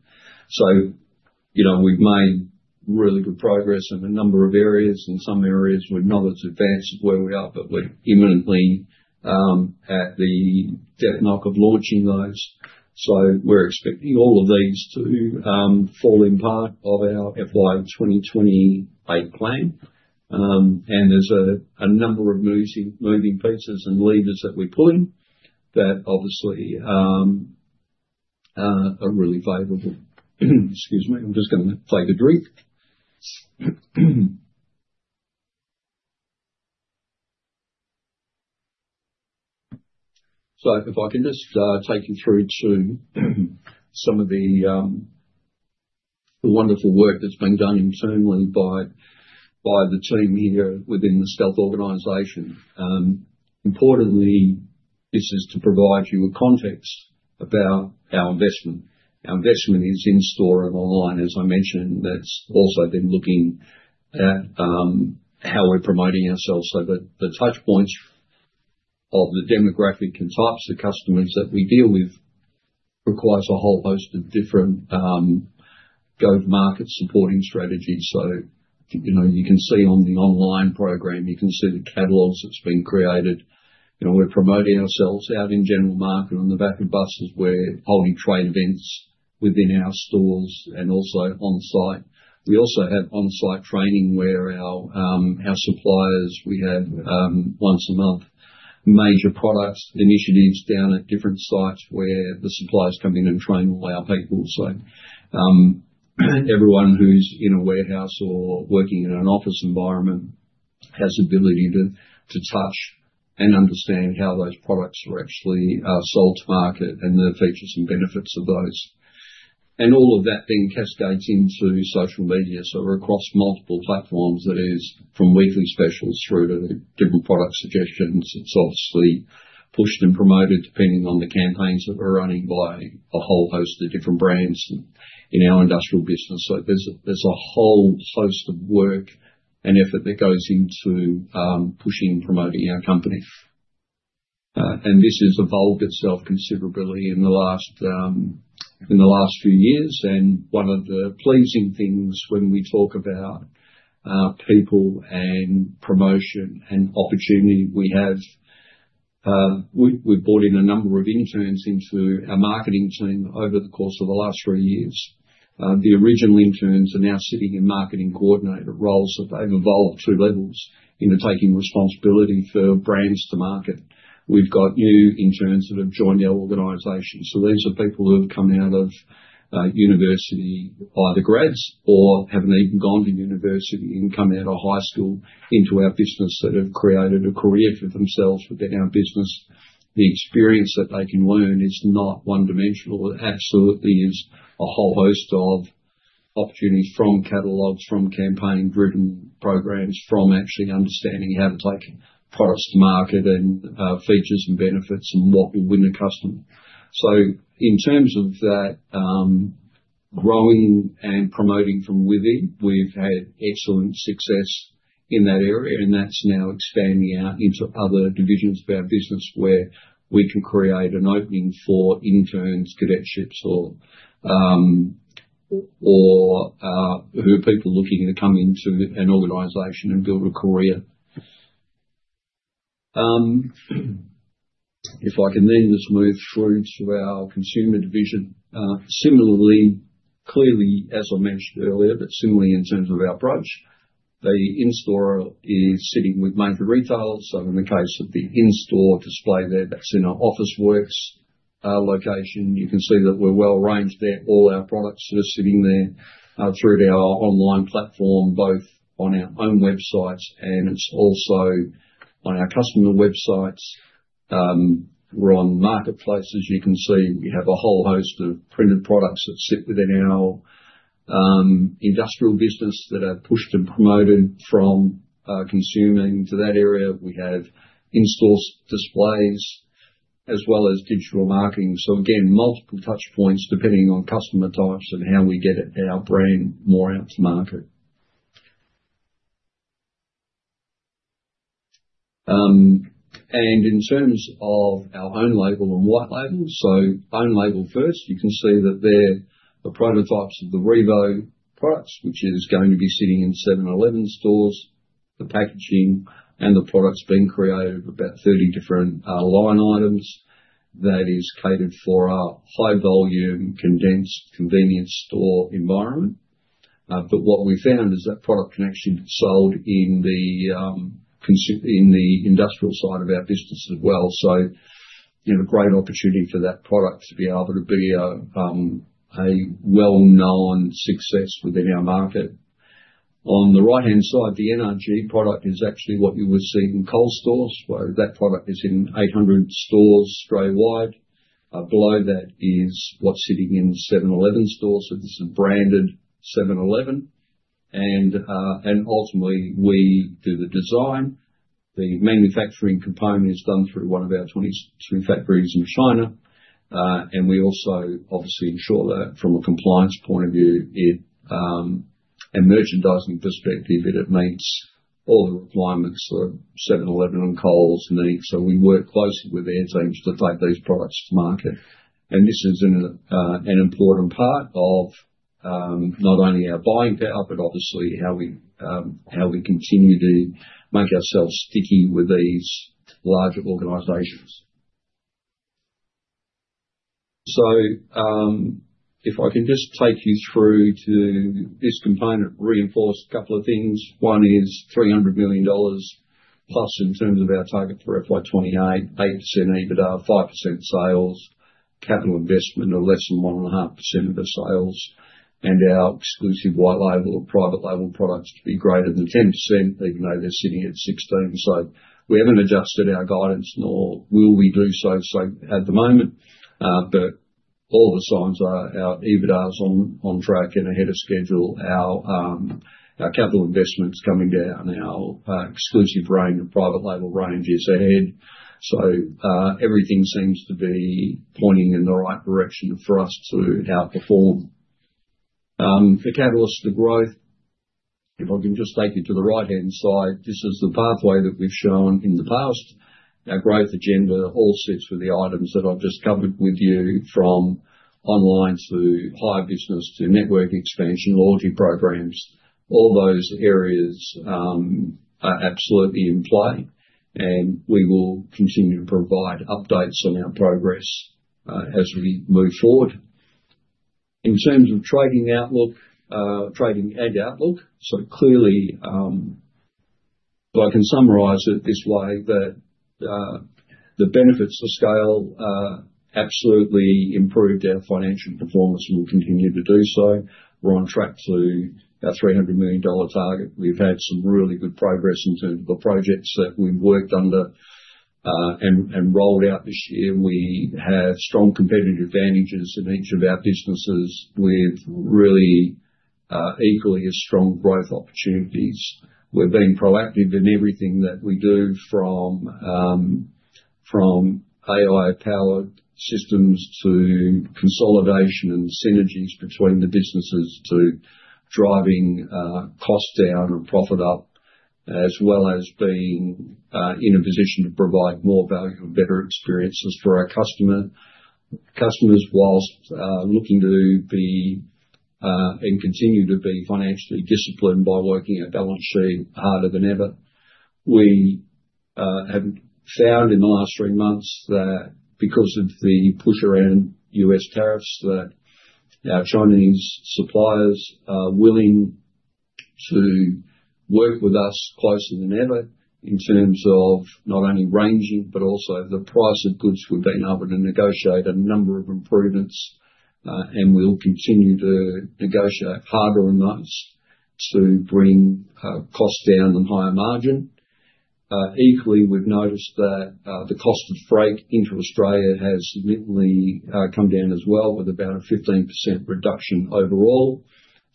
Speaker 1: We have made really good progress in a number of areas. In some areas, we are not as advanced as where we are, but we are imminently at the death knock of launching those. We are expecting all of these to fall in part of our FY 2028 plan. There are a number of moving pieces and levers that we are pulling that obviously are really favorable. Excuse me. I am just going to take a drink. If I can just take you through some of the wonderful work that has been done internally by the team here within the Stealth organization. Importantly, this is to provide you with context about our investment. Our investment is in store and online, as I mentioned. That has also been looking at how we are promoting ourselves. The touchpoints of the demographic and types of customers that we deal with requires a whole host of different go-to-market supporting strategies. You can see on the online program, you can see the catalogs that have been created. We're promoting ourselves out in general market on the back of buses. We're holding trade events within our stores and also on-site. We also have on-site training where our suppliers, we have once a month major product initiatives down at different sites where the suppliers come in and train all our people. Everyone who's in a warehouse or working in an office environment has the ability to touch and understand how those products are actually sold to market and the features and benefits of those. All of that then cascades into social media. We're across multiple platforms, that is, from weekly specials through to different product suggestions. It's obviously pushed and promoted depending on the campaigns that we're running by a whole host of different brands in our industrial business. There is a whole host of work and effort that goes into pushing and promoting our company. This has evolved itself considerably in the last few years. One of the pleasing things when we talk about people and promotion and opportunity we have, we have brought in a number of interns into our marketing team over the course of the last three years. The original interns are now sitting in marketing coordinator roles that they have evolved to levels into taking responsibility for brands to market. We have new interns that have joined our organization. These are people who have come out of university, either grads or have not even gone to university and come out of high school into our business, that have created a career for themselves within our business. The experience that they can learn is not one-dimensional. It absolutely is a whole host of opportunities from catalogs, from campaign-driven programs, from actually understanding how to take products to market and features and benefits and what will win the customer. In terms of that growing and promoting from within, we've had excellent success in that area. That's now expanding out into other divisions of our business where we can create an opening for interns, cadetships, or people looking to come into an organization and build a career. If I can then just move through to our consumer division. Similarly, clearly, as I mentioned earlier, but similarly in terms of our approach, the in-store is sitting with major retailers. In the case of the in-store display there, that's in our Officeworks location. You can see that we're well arranged there. All our products are sitting there through our online platform, both on our own websites and it's also on our customer websites. We're on marketplaces. You can see we have a whole host of printed products that sit within our industrial business that are pushed and promoted from consuming to that area. We have in-store displays as well as digital marketing. Again, multiple touchpoints depending on customer types and how we get our brand more out to market. In terms of our own label and white label, so own label first, you can see that they're the prototypes of the RIVO products, which is going to be sitting in 7-Eleven stores, the packaging, and the products being created of about 30 different line items that is catered for a high-volume, condensed, convenient store environment. What we found is that product can actually be sold in the industrial side of our business as well. You have a great opportunity for that product to be able to be a well-known success within our market. On the right-hand side, the NRG product is actually what you would see in Coles stores, where that product is in 800 stores straight wide. Below that is what's sitting in 7-Eleven stores. This is a branded 7-Eleven. We do the design. The manufacturing component is done through one of our 23 factories in China. We also obviously ensure that from a compliance point of view, a merchandising perspective, it meets all the requirements of 7-Eleven and Coles needs. We work closely with their teams to take these products to market. This is an important part of not only our buying power, but obviously how we continue to make ourselves sticky with these larger organizations. If I can just take you through to this component, reinforce a couple of things. One is 300 million dollars plus in terms of our target for FY 2028, 8% EBITDA, 5% sales, capital investment of less than 1.5% of the sales, and our exclusive white label or private label products to be greater than 10%, even though they're sitting at 16%. We haven't adjusted our guidance nor will we do so at the moment. All the signs are our EBITDA is on track and ahead of schedule. Our capital investment's coming down. Our exclusive range of private label range is ahead. Everything seems to be pointing in the right direction for us to outperform. The catalysts for growth, if I can just take you to the right-hand side, this is the pathway that we've shown in the past. Our growth agenda all sits with the items that I've just covered with you from online to high business to network expansion, loyalty programs. All those areas are absolutely in play. We will continue to provide updates on our progress as we move forward. In terms of trading outlook, trading ed outlook. Clearly, if I can summarize it this way, the benefits of scale absolutely improved our financial performance and will continue to do so. We're on track to our 300 million dollar target. We've had some really good progress in terms of the projects that we've worked under and rolled out this year. We have strong competitive advantages in each of our businesses with really equally as strong growth opportunities. We're being proactive in everything that we do, from AI-powered systems to consolidation and synergies between the businesses to driving cost down and profit up, as well as being in a position to provide more value and better experiences for our customers whilst looking to be and continue to be financially disciplined by working a balance sheet harder than ever. We have found in the last three months that because of the push around U.S. tariffs, our Chinese suppliers are willing to work with us closer than ever in terms of not only ranging, but also the price of goods. We've been able to negotiate a number of improvements. We'll continue to negotiate harder on those to bring cost down and higher margin. Equally, we've noticed that the cost of freight into Australia has significantly come down as well, with about a 15% reduction overall.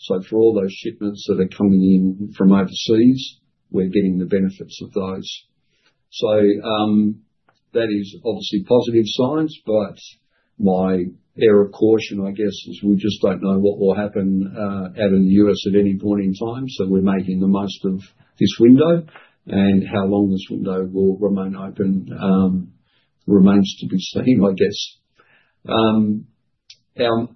Speaker 1: For all those shipments that are coming in from overseas, we're getting the benefits of those. That is obviously positive signs. My error of caution, I guess, is we just don't know what will happen out in the U.S. at any point in time. We're making the most of this window. How long this window will remain open remains to be seen, I guess. Our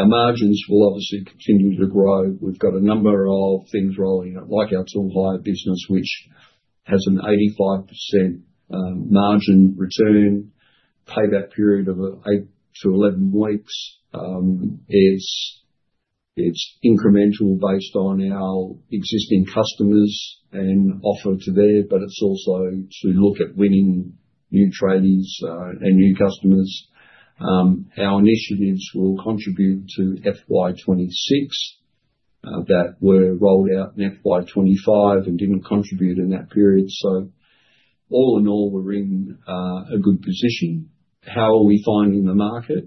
Speaker 1: margins will obviously continue to grow. We've got a number of things rolling, like our Tool Hire business, which has an 85% margin return. Payback period of 8-11 weeks. It's incremental based on our existing customers and offer to there. It's also to look at winning new traders and new customers. Our initiatives will contribute to FY 2026 that were rolled out in FY 2025 and didn't contribute in that period. All in all, we're in a good position. How are we finding the market?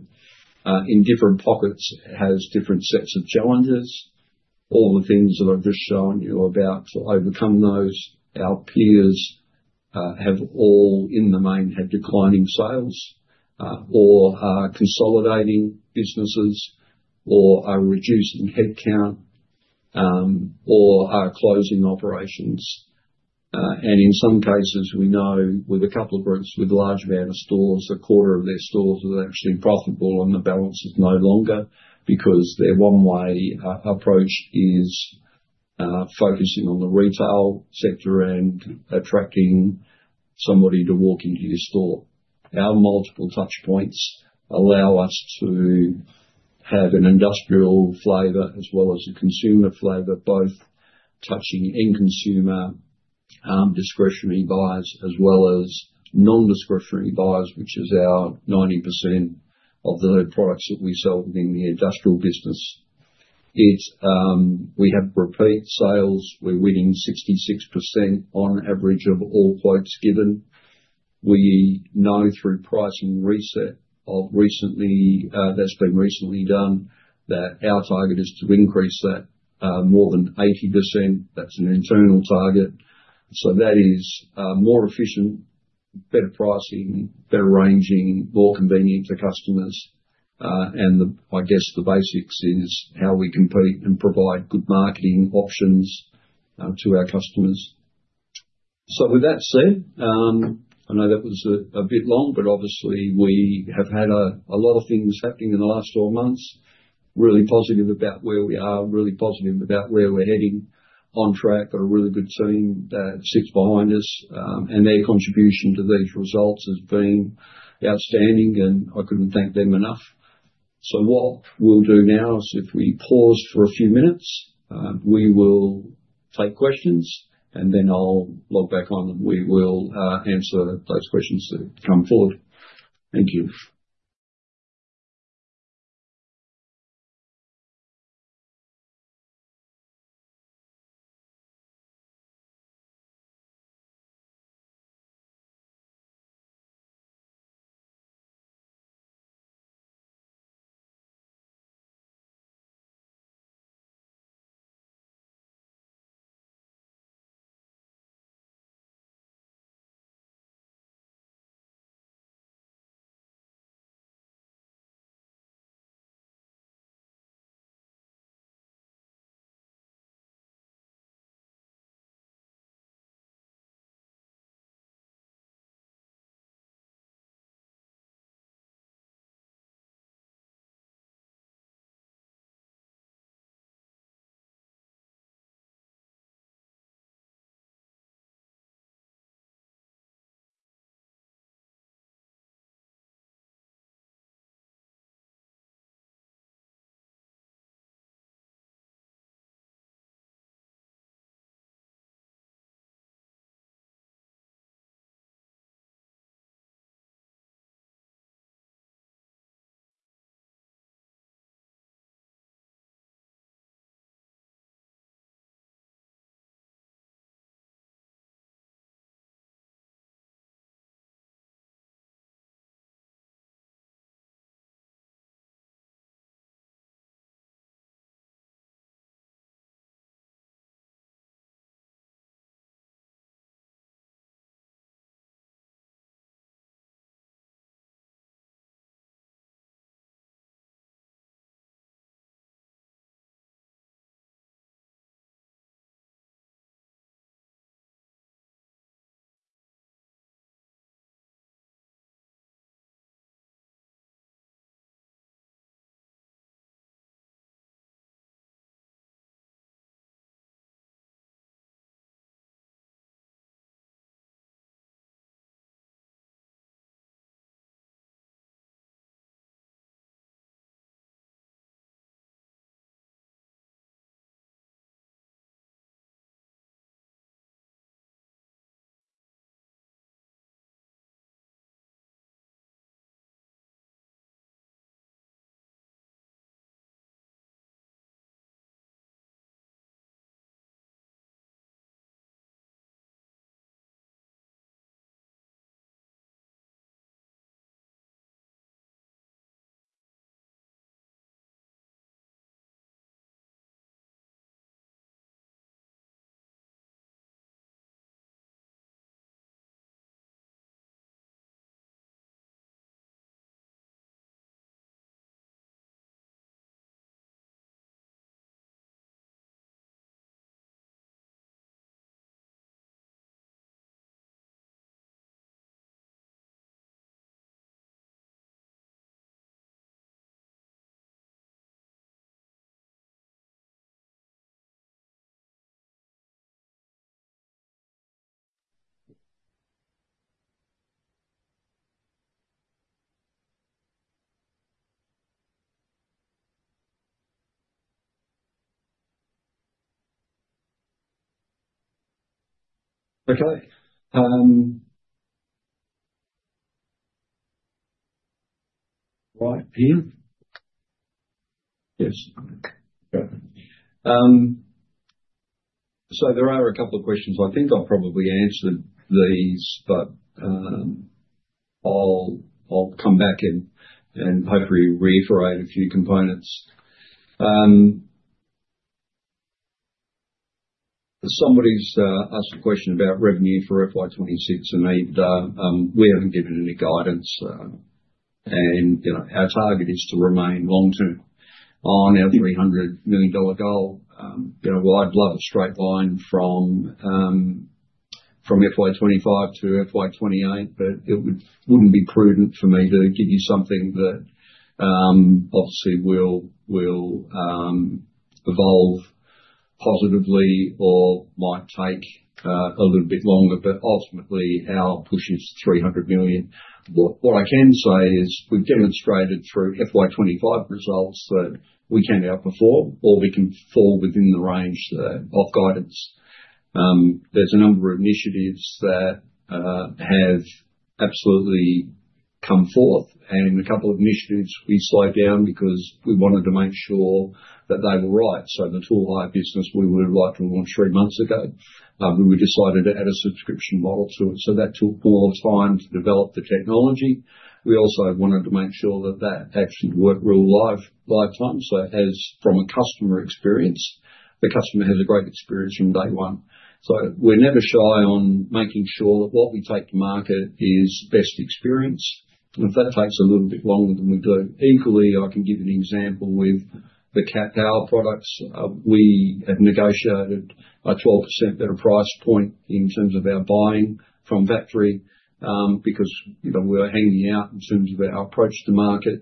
Speaker 1: In different pockets, it has different sets of challenges. All the things that I've just shown you about to overcome those, our peers have all in the main had declining sales or are consolidating businesses or are reducing headcount or are closing operations. In some cases, we know with a couple of groups with a large amount of stores, a quarter of their stores are actually profitable, and the balance is no longer because their one-way approach is focusing on the retail sector and attracting somebody to walk into your store. Our multiple touchpoints allow us to have an industrial flavor as well as a consumer flavor, both touching end consumer, discretionary buyers, as well as non-discretionary buyers, which is our 90% of the products that we sell within the industrial business. We have repeat sales. We're winning 66% on average of all quotes given. We know through pricing reset of recently that's been recently done that our target is to increase that more than 80%. That's an internal target. That is more efficient, better pricing, better ranging, more convenient for customers. I guess the basics is how we compete and provide good marketing options to our customers. With that said, I know that was a bit long, but obviously, we have had a lot of things happening in the last four months. Really positive about where we are, really positive about where we're heading on track. Got a really good team that sits behind us. Their contribution to these results has been outstanding, and I couldn't thank them enough. What we'll do now is if we pause for a few minutes, we will take questions, and then I'll log back on. We will answer those questions that come forward. Thank you. Yes. There are a couple of questions. I think I'll probably answer these, but I'll come back in and hopefully reiterate a few components. Somebody's asked a question about revenue for FY 2026 and we haven't given any guidance. Our target is to remain long-term on our 300 million dollar goal. I'd love a straight line from FY 2025 to FY 2028, but it wouldn't be prudent for me to give you something that obviously will evolve positively or might take a little bit longer. Ultimately, our push is 300 million. What I can say is we've demonstrated through FY 2025 results that we can outperform or we can fall within the range of guidance. There's a number of initiatives that have absolutely come forth. A couple of initiatives we slowed down because we wanted to make sure that they were right. The Tool Hire business, we were like three months ago. We decided to add a subscription model to it. That took more time to develop the technology. We also wanted to make sure that that actually worked real lifetime. From a customer experience, the customer has a great experience from day one. We're never shy on making sure that what we take to market is best experience. If that takes a little bit longer than we do, equally, I can give you an example with the CAT Power products. We have negotiated a 12% better price point in terms of our buying from factory because we were hanging out in terms of our approach to market.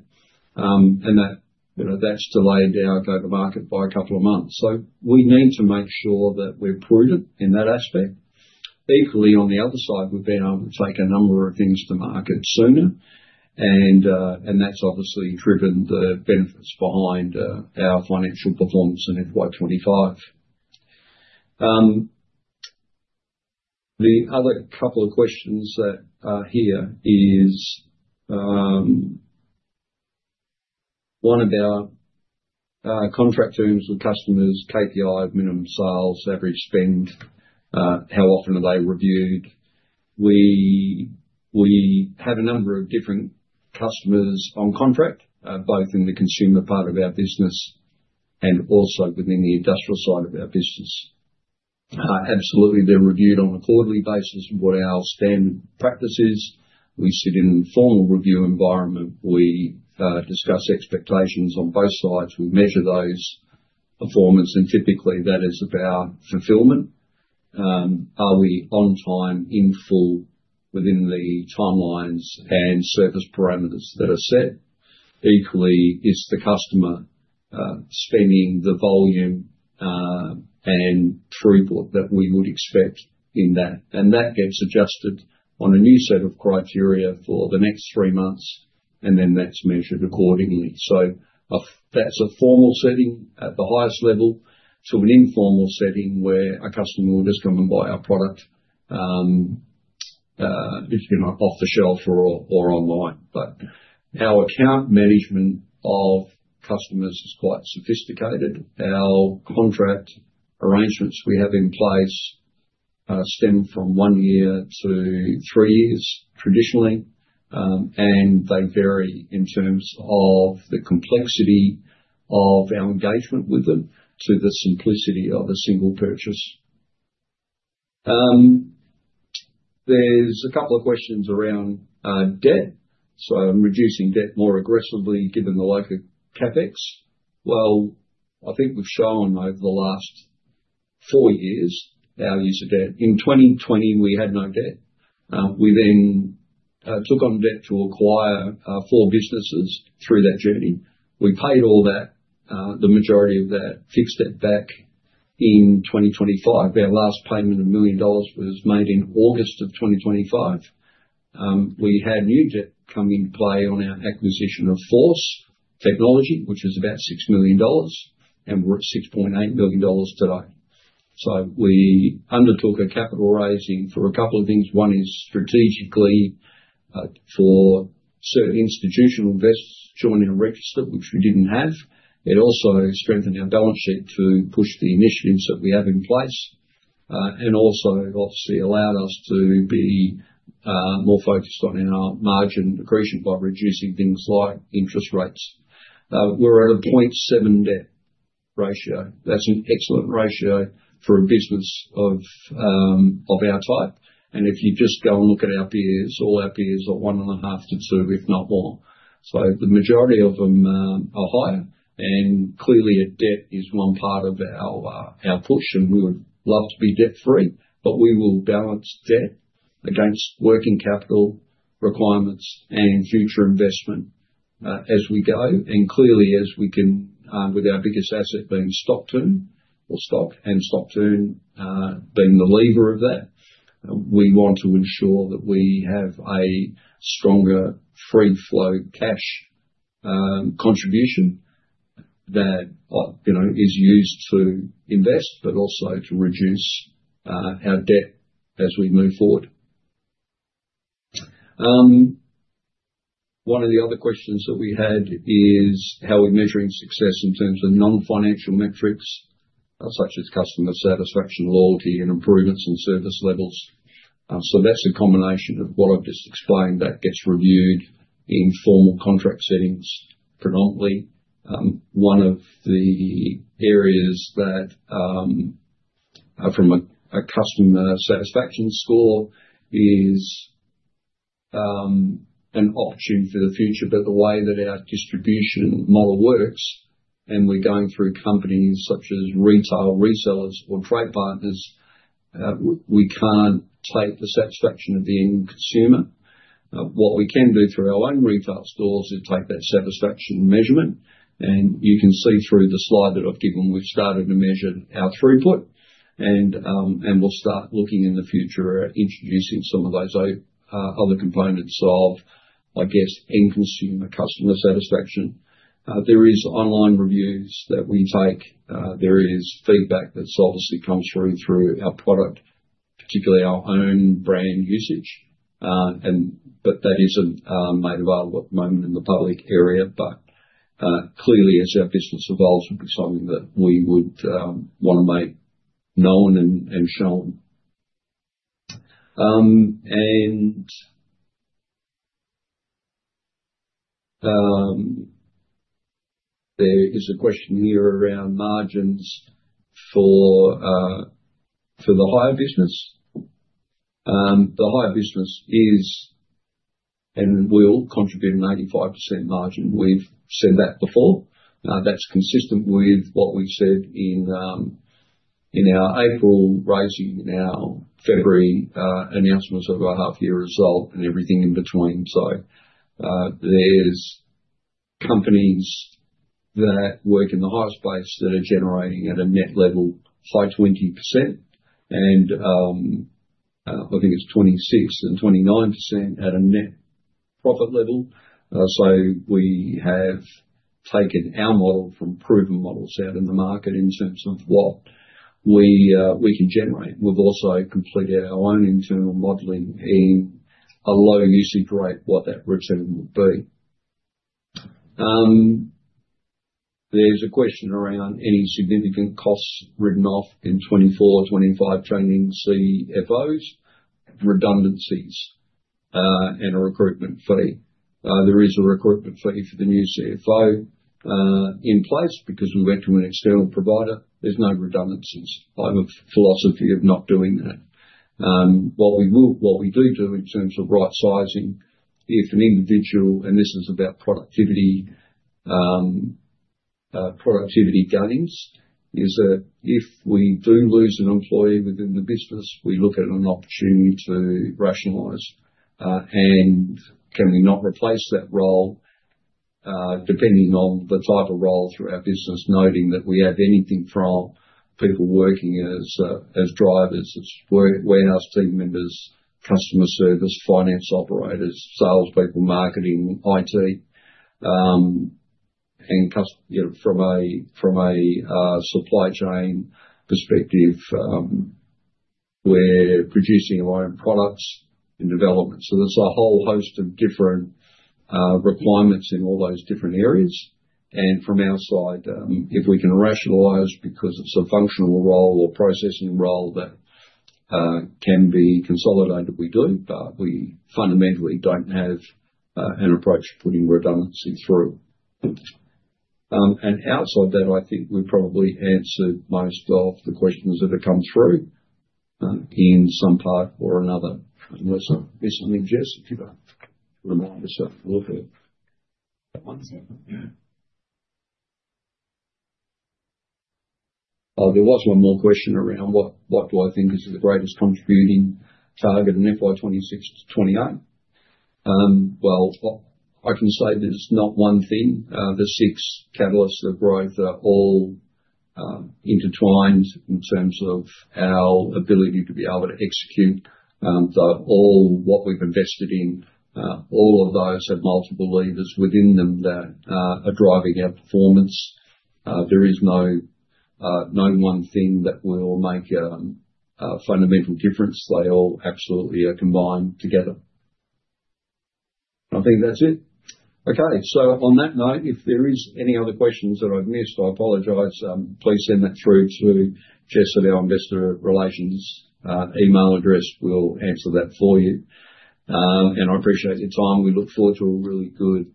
Speaker 1: That's delayed our go-to-market by a couple of months. We need to make sure that we're prudent in that aspect. Equally, on the other side, we've been able to take a number of things to market sooner. That's obviously driven the benefits behind our financial performance in FY 2025. The other couple of questions that are here is one about contract terms with customers, KPI of minimum sales, average spend, how often are they reviewed. We have a number of different customers on contract, both in the consumer part of our business and also within the industrial side of our business. Absolutely, they're reviewed on a quarterly basis, what our standard practice is. We sit in a formal review environment. We discuss expectations on both sides. We measure those performance. Typically, that is about fulfillment. Are we on time, in full, within the timelines and service parameters that are set? Equally, is the customer spending the volume and throughput that we would expect in that? That gets adjusted on a new set of criteria for the next three months. That is measured accordingly. That is a formal setting at the highest level to an informal setting where a customer will just come and buy our product, if you are not off the shelf or online. Our account management of customers is quite sophisticated. Our contract arrangements we have in place stem from one year to three years, traditionally. They vary in terms of the complexity of our engagement with them to the simplicity of a single purchase. There are a couple of questions around debt. Reducing debt more aggressively given the local CapEx. I think we've shown over the last four years our use of debt. In 2020, we had no debt. We then took on debt to acquire four businesses through that journey. We paid all that, the majority of that, fixed it back in 2025. Our last payment of 1 million dollars was made in August of 2025. We had new debt come into play on our acquisition of Force Technology, which is about 6 million dollars. We're at 6.8 million dollars today. We undertook a capital raising for a couple of things. One is strategically for certain institutional investors to join in a register, which we didn't have. It also strengthened our balance sheet to push the initiatives that we have in place. It also, obviously, allowed us to be more focused on our margin accretion by reducing things like interest rates. We're at a 0.7x debt ratio. That's an excellent ratio for a business of our type. If you just go and look at our peers, all our peers are one and a half to two, if not more. The majority of them are higher. Clearly, debt is one part of our push. We would love to be debt-free. We will balance debt against working capital requirements and future investment as we go. Clearly, as we can, with our biggest asset being stock turn or stock and stock turn being the lever of that, we want to ensure that we have a stronger free-flow cash contribution that is used to invest, but also to reduce our debt as we move forward. One of the other questions that we had is how we're measuring success in terms of non-financial metrics, such as customer satisfaction, loyalty, and improvements in service levels. That's a combination of what I've just explained that gets reviewed in formal contract settings predominantly. One of the areas that from a customer satisfaction score is an option for the future. The way that our distribution model works, and we're going through companies such as retail resellers or trade partners, we can't take the satisfaction of the end consumer. What we can do through our own retail stores is take that satisfaction measurement. You can see through the slide that I've given, we've started to measure our throughput. We'll start looking in the future at introducing some of those other components of, I guess, end consumer customer satisfaction. There are online reviews that we take. There is feedback that obviously comes through through our product, particularly our own brand usage. That isn't made available at the moment in the public area. Clearly, as our business evolves, it would be something that we would want to make known and shown. There is a question here around margins for the Hire business. The Hire business is and will contribute an 85% margin. We've said that before. That's consistent with what we said in our April raising, in our February announcements of our half-year result and everything in between. There are companies that work in the hire space that are generating at a net level high 20%. I think it's 26% and 29% at a net profit level. We have taken our model from proven models out in the market in terms of what we can generate. We've also completed our own internal modeling in a low usage rate, what that return would be. There's a question around any significant costs ridden off in 2024, 2025 training CFOs, redundancies, and a recruitment fee. There is a recruitment fee for the new CFO in place because we went to an external provider. There's no redundancies. I have a philosophy of not doing that. What we do do in terms of right-sizing, if an individual—and this is about productivity gunnings—is that if we do lose an employee within the business, we look at an opportunity to rationalize. Can we not replace that role depending on the type of role through our business, noting that we have anything from people working as drivers, as warehouse team members, customer service, finance operators, salespeople, marketing, IT. From a supply chain perspective, we're producing our own products in development. There's a whole host of different requirements in all those different areas. From our side, if we can rationalize because it's a functional role or processing role that can be consolidated, we do. We fundamentally do not have an approach to putting redundancy through. Outside that, I think we probably answered most of the questions that have come through in some part or another. Jess, if you'd like to remind us of a little bit, there was one more question around what do I think is the greatest contributing target in FY 2026 to 2028. I can say there's not one thing. The six catalysts of growth are all intertwined in terms of our ability to be able to execute. All what we've invested in, all of those have multiple levers within them that are driving our performance. There is no one thing that will make a fundamental difference. They all absolutely are combined together. I think that's it. Okay. On that note, if there are any other questions that I've missed, I apologize. Please send that through to Jess at our investor relations email address. We'll answer that for you. I appreciate your time. We look forward to a really good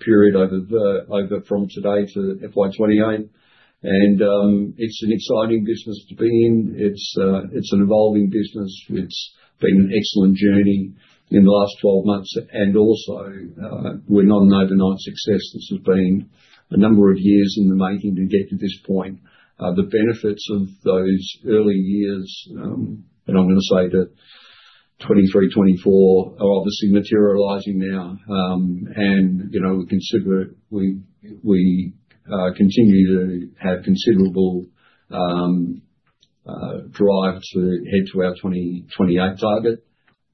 Speaker 1: period from today to 2028. It's an exciting business to be in. It's an evolving business. It's been an excellent journey in the last 12 months. Also, we're not an overnight success. This has been a number of years in the making to get to this point. The benefits of those early years, and I'm going to say to 2023, 2024, are obviously materializing now. We continue to have considerable drive to head to our 2028 target.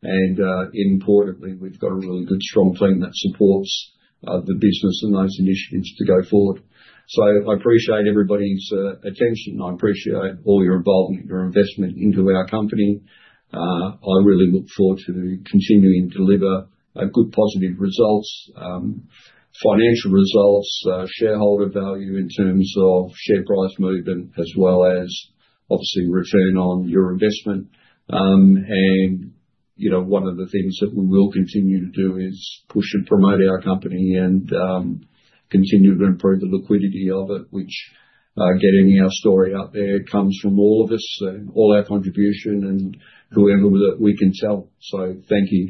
Speaker 1: Importantly, we've got a really good, strong team that supports the business and those initiatives to go forward. I appreciate everybody's attention. I appreciate all your involvement, your investment into our company. I really look forward to continuing to deliver good, positive results, financial results, shareholder value in terms of share price movement, as well as obviously return on your investment. One of the things that we will continue to do is push and promote our company and continue to improve the liquidity of it, which getting our story out there comes from all of us and all our contribution and whoever we can tell. Thank you.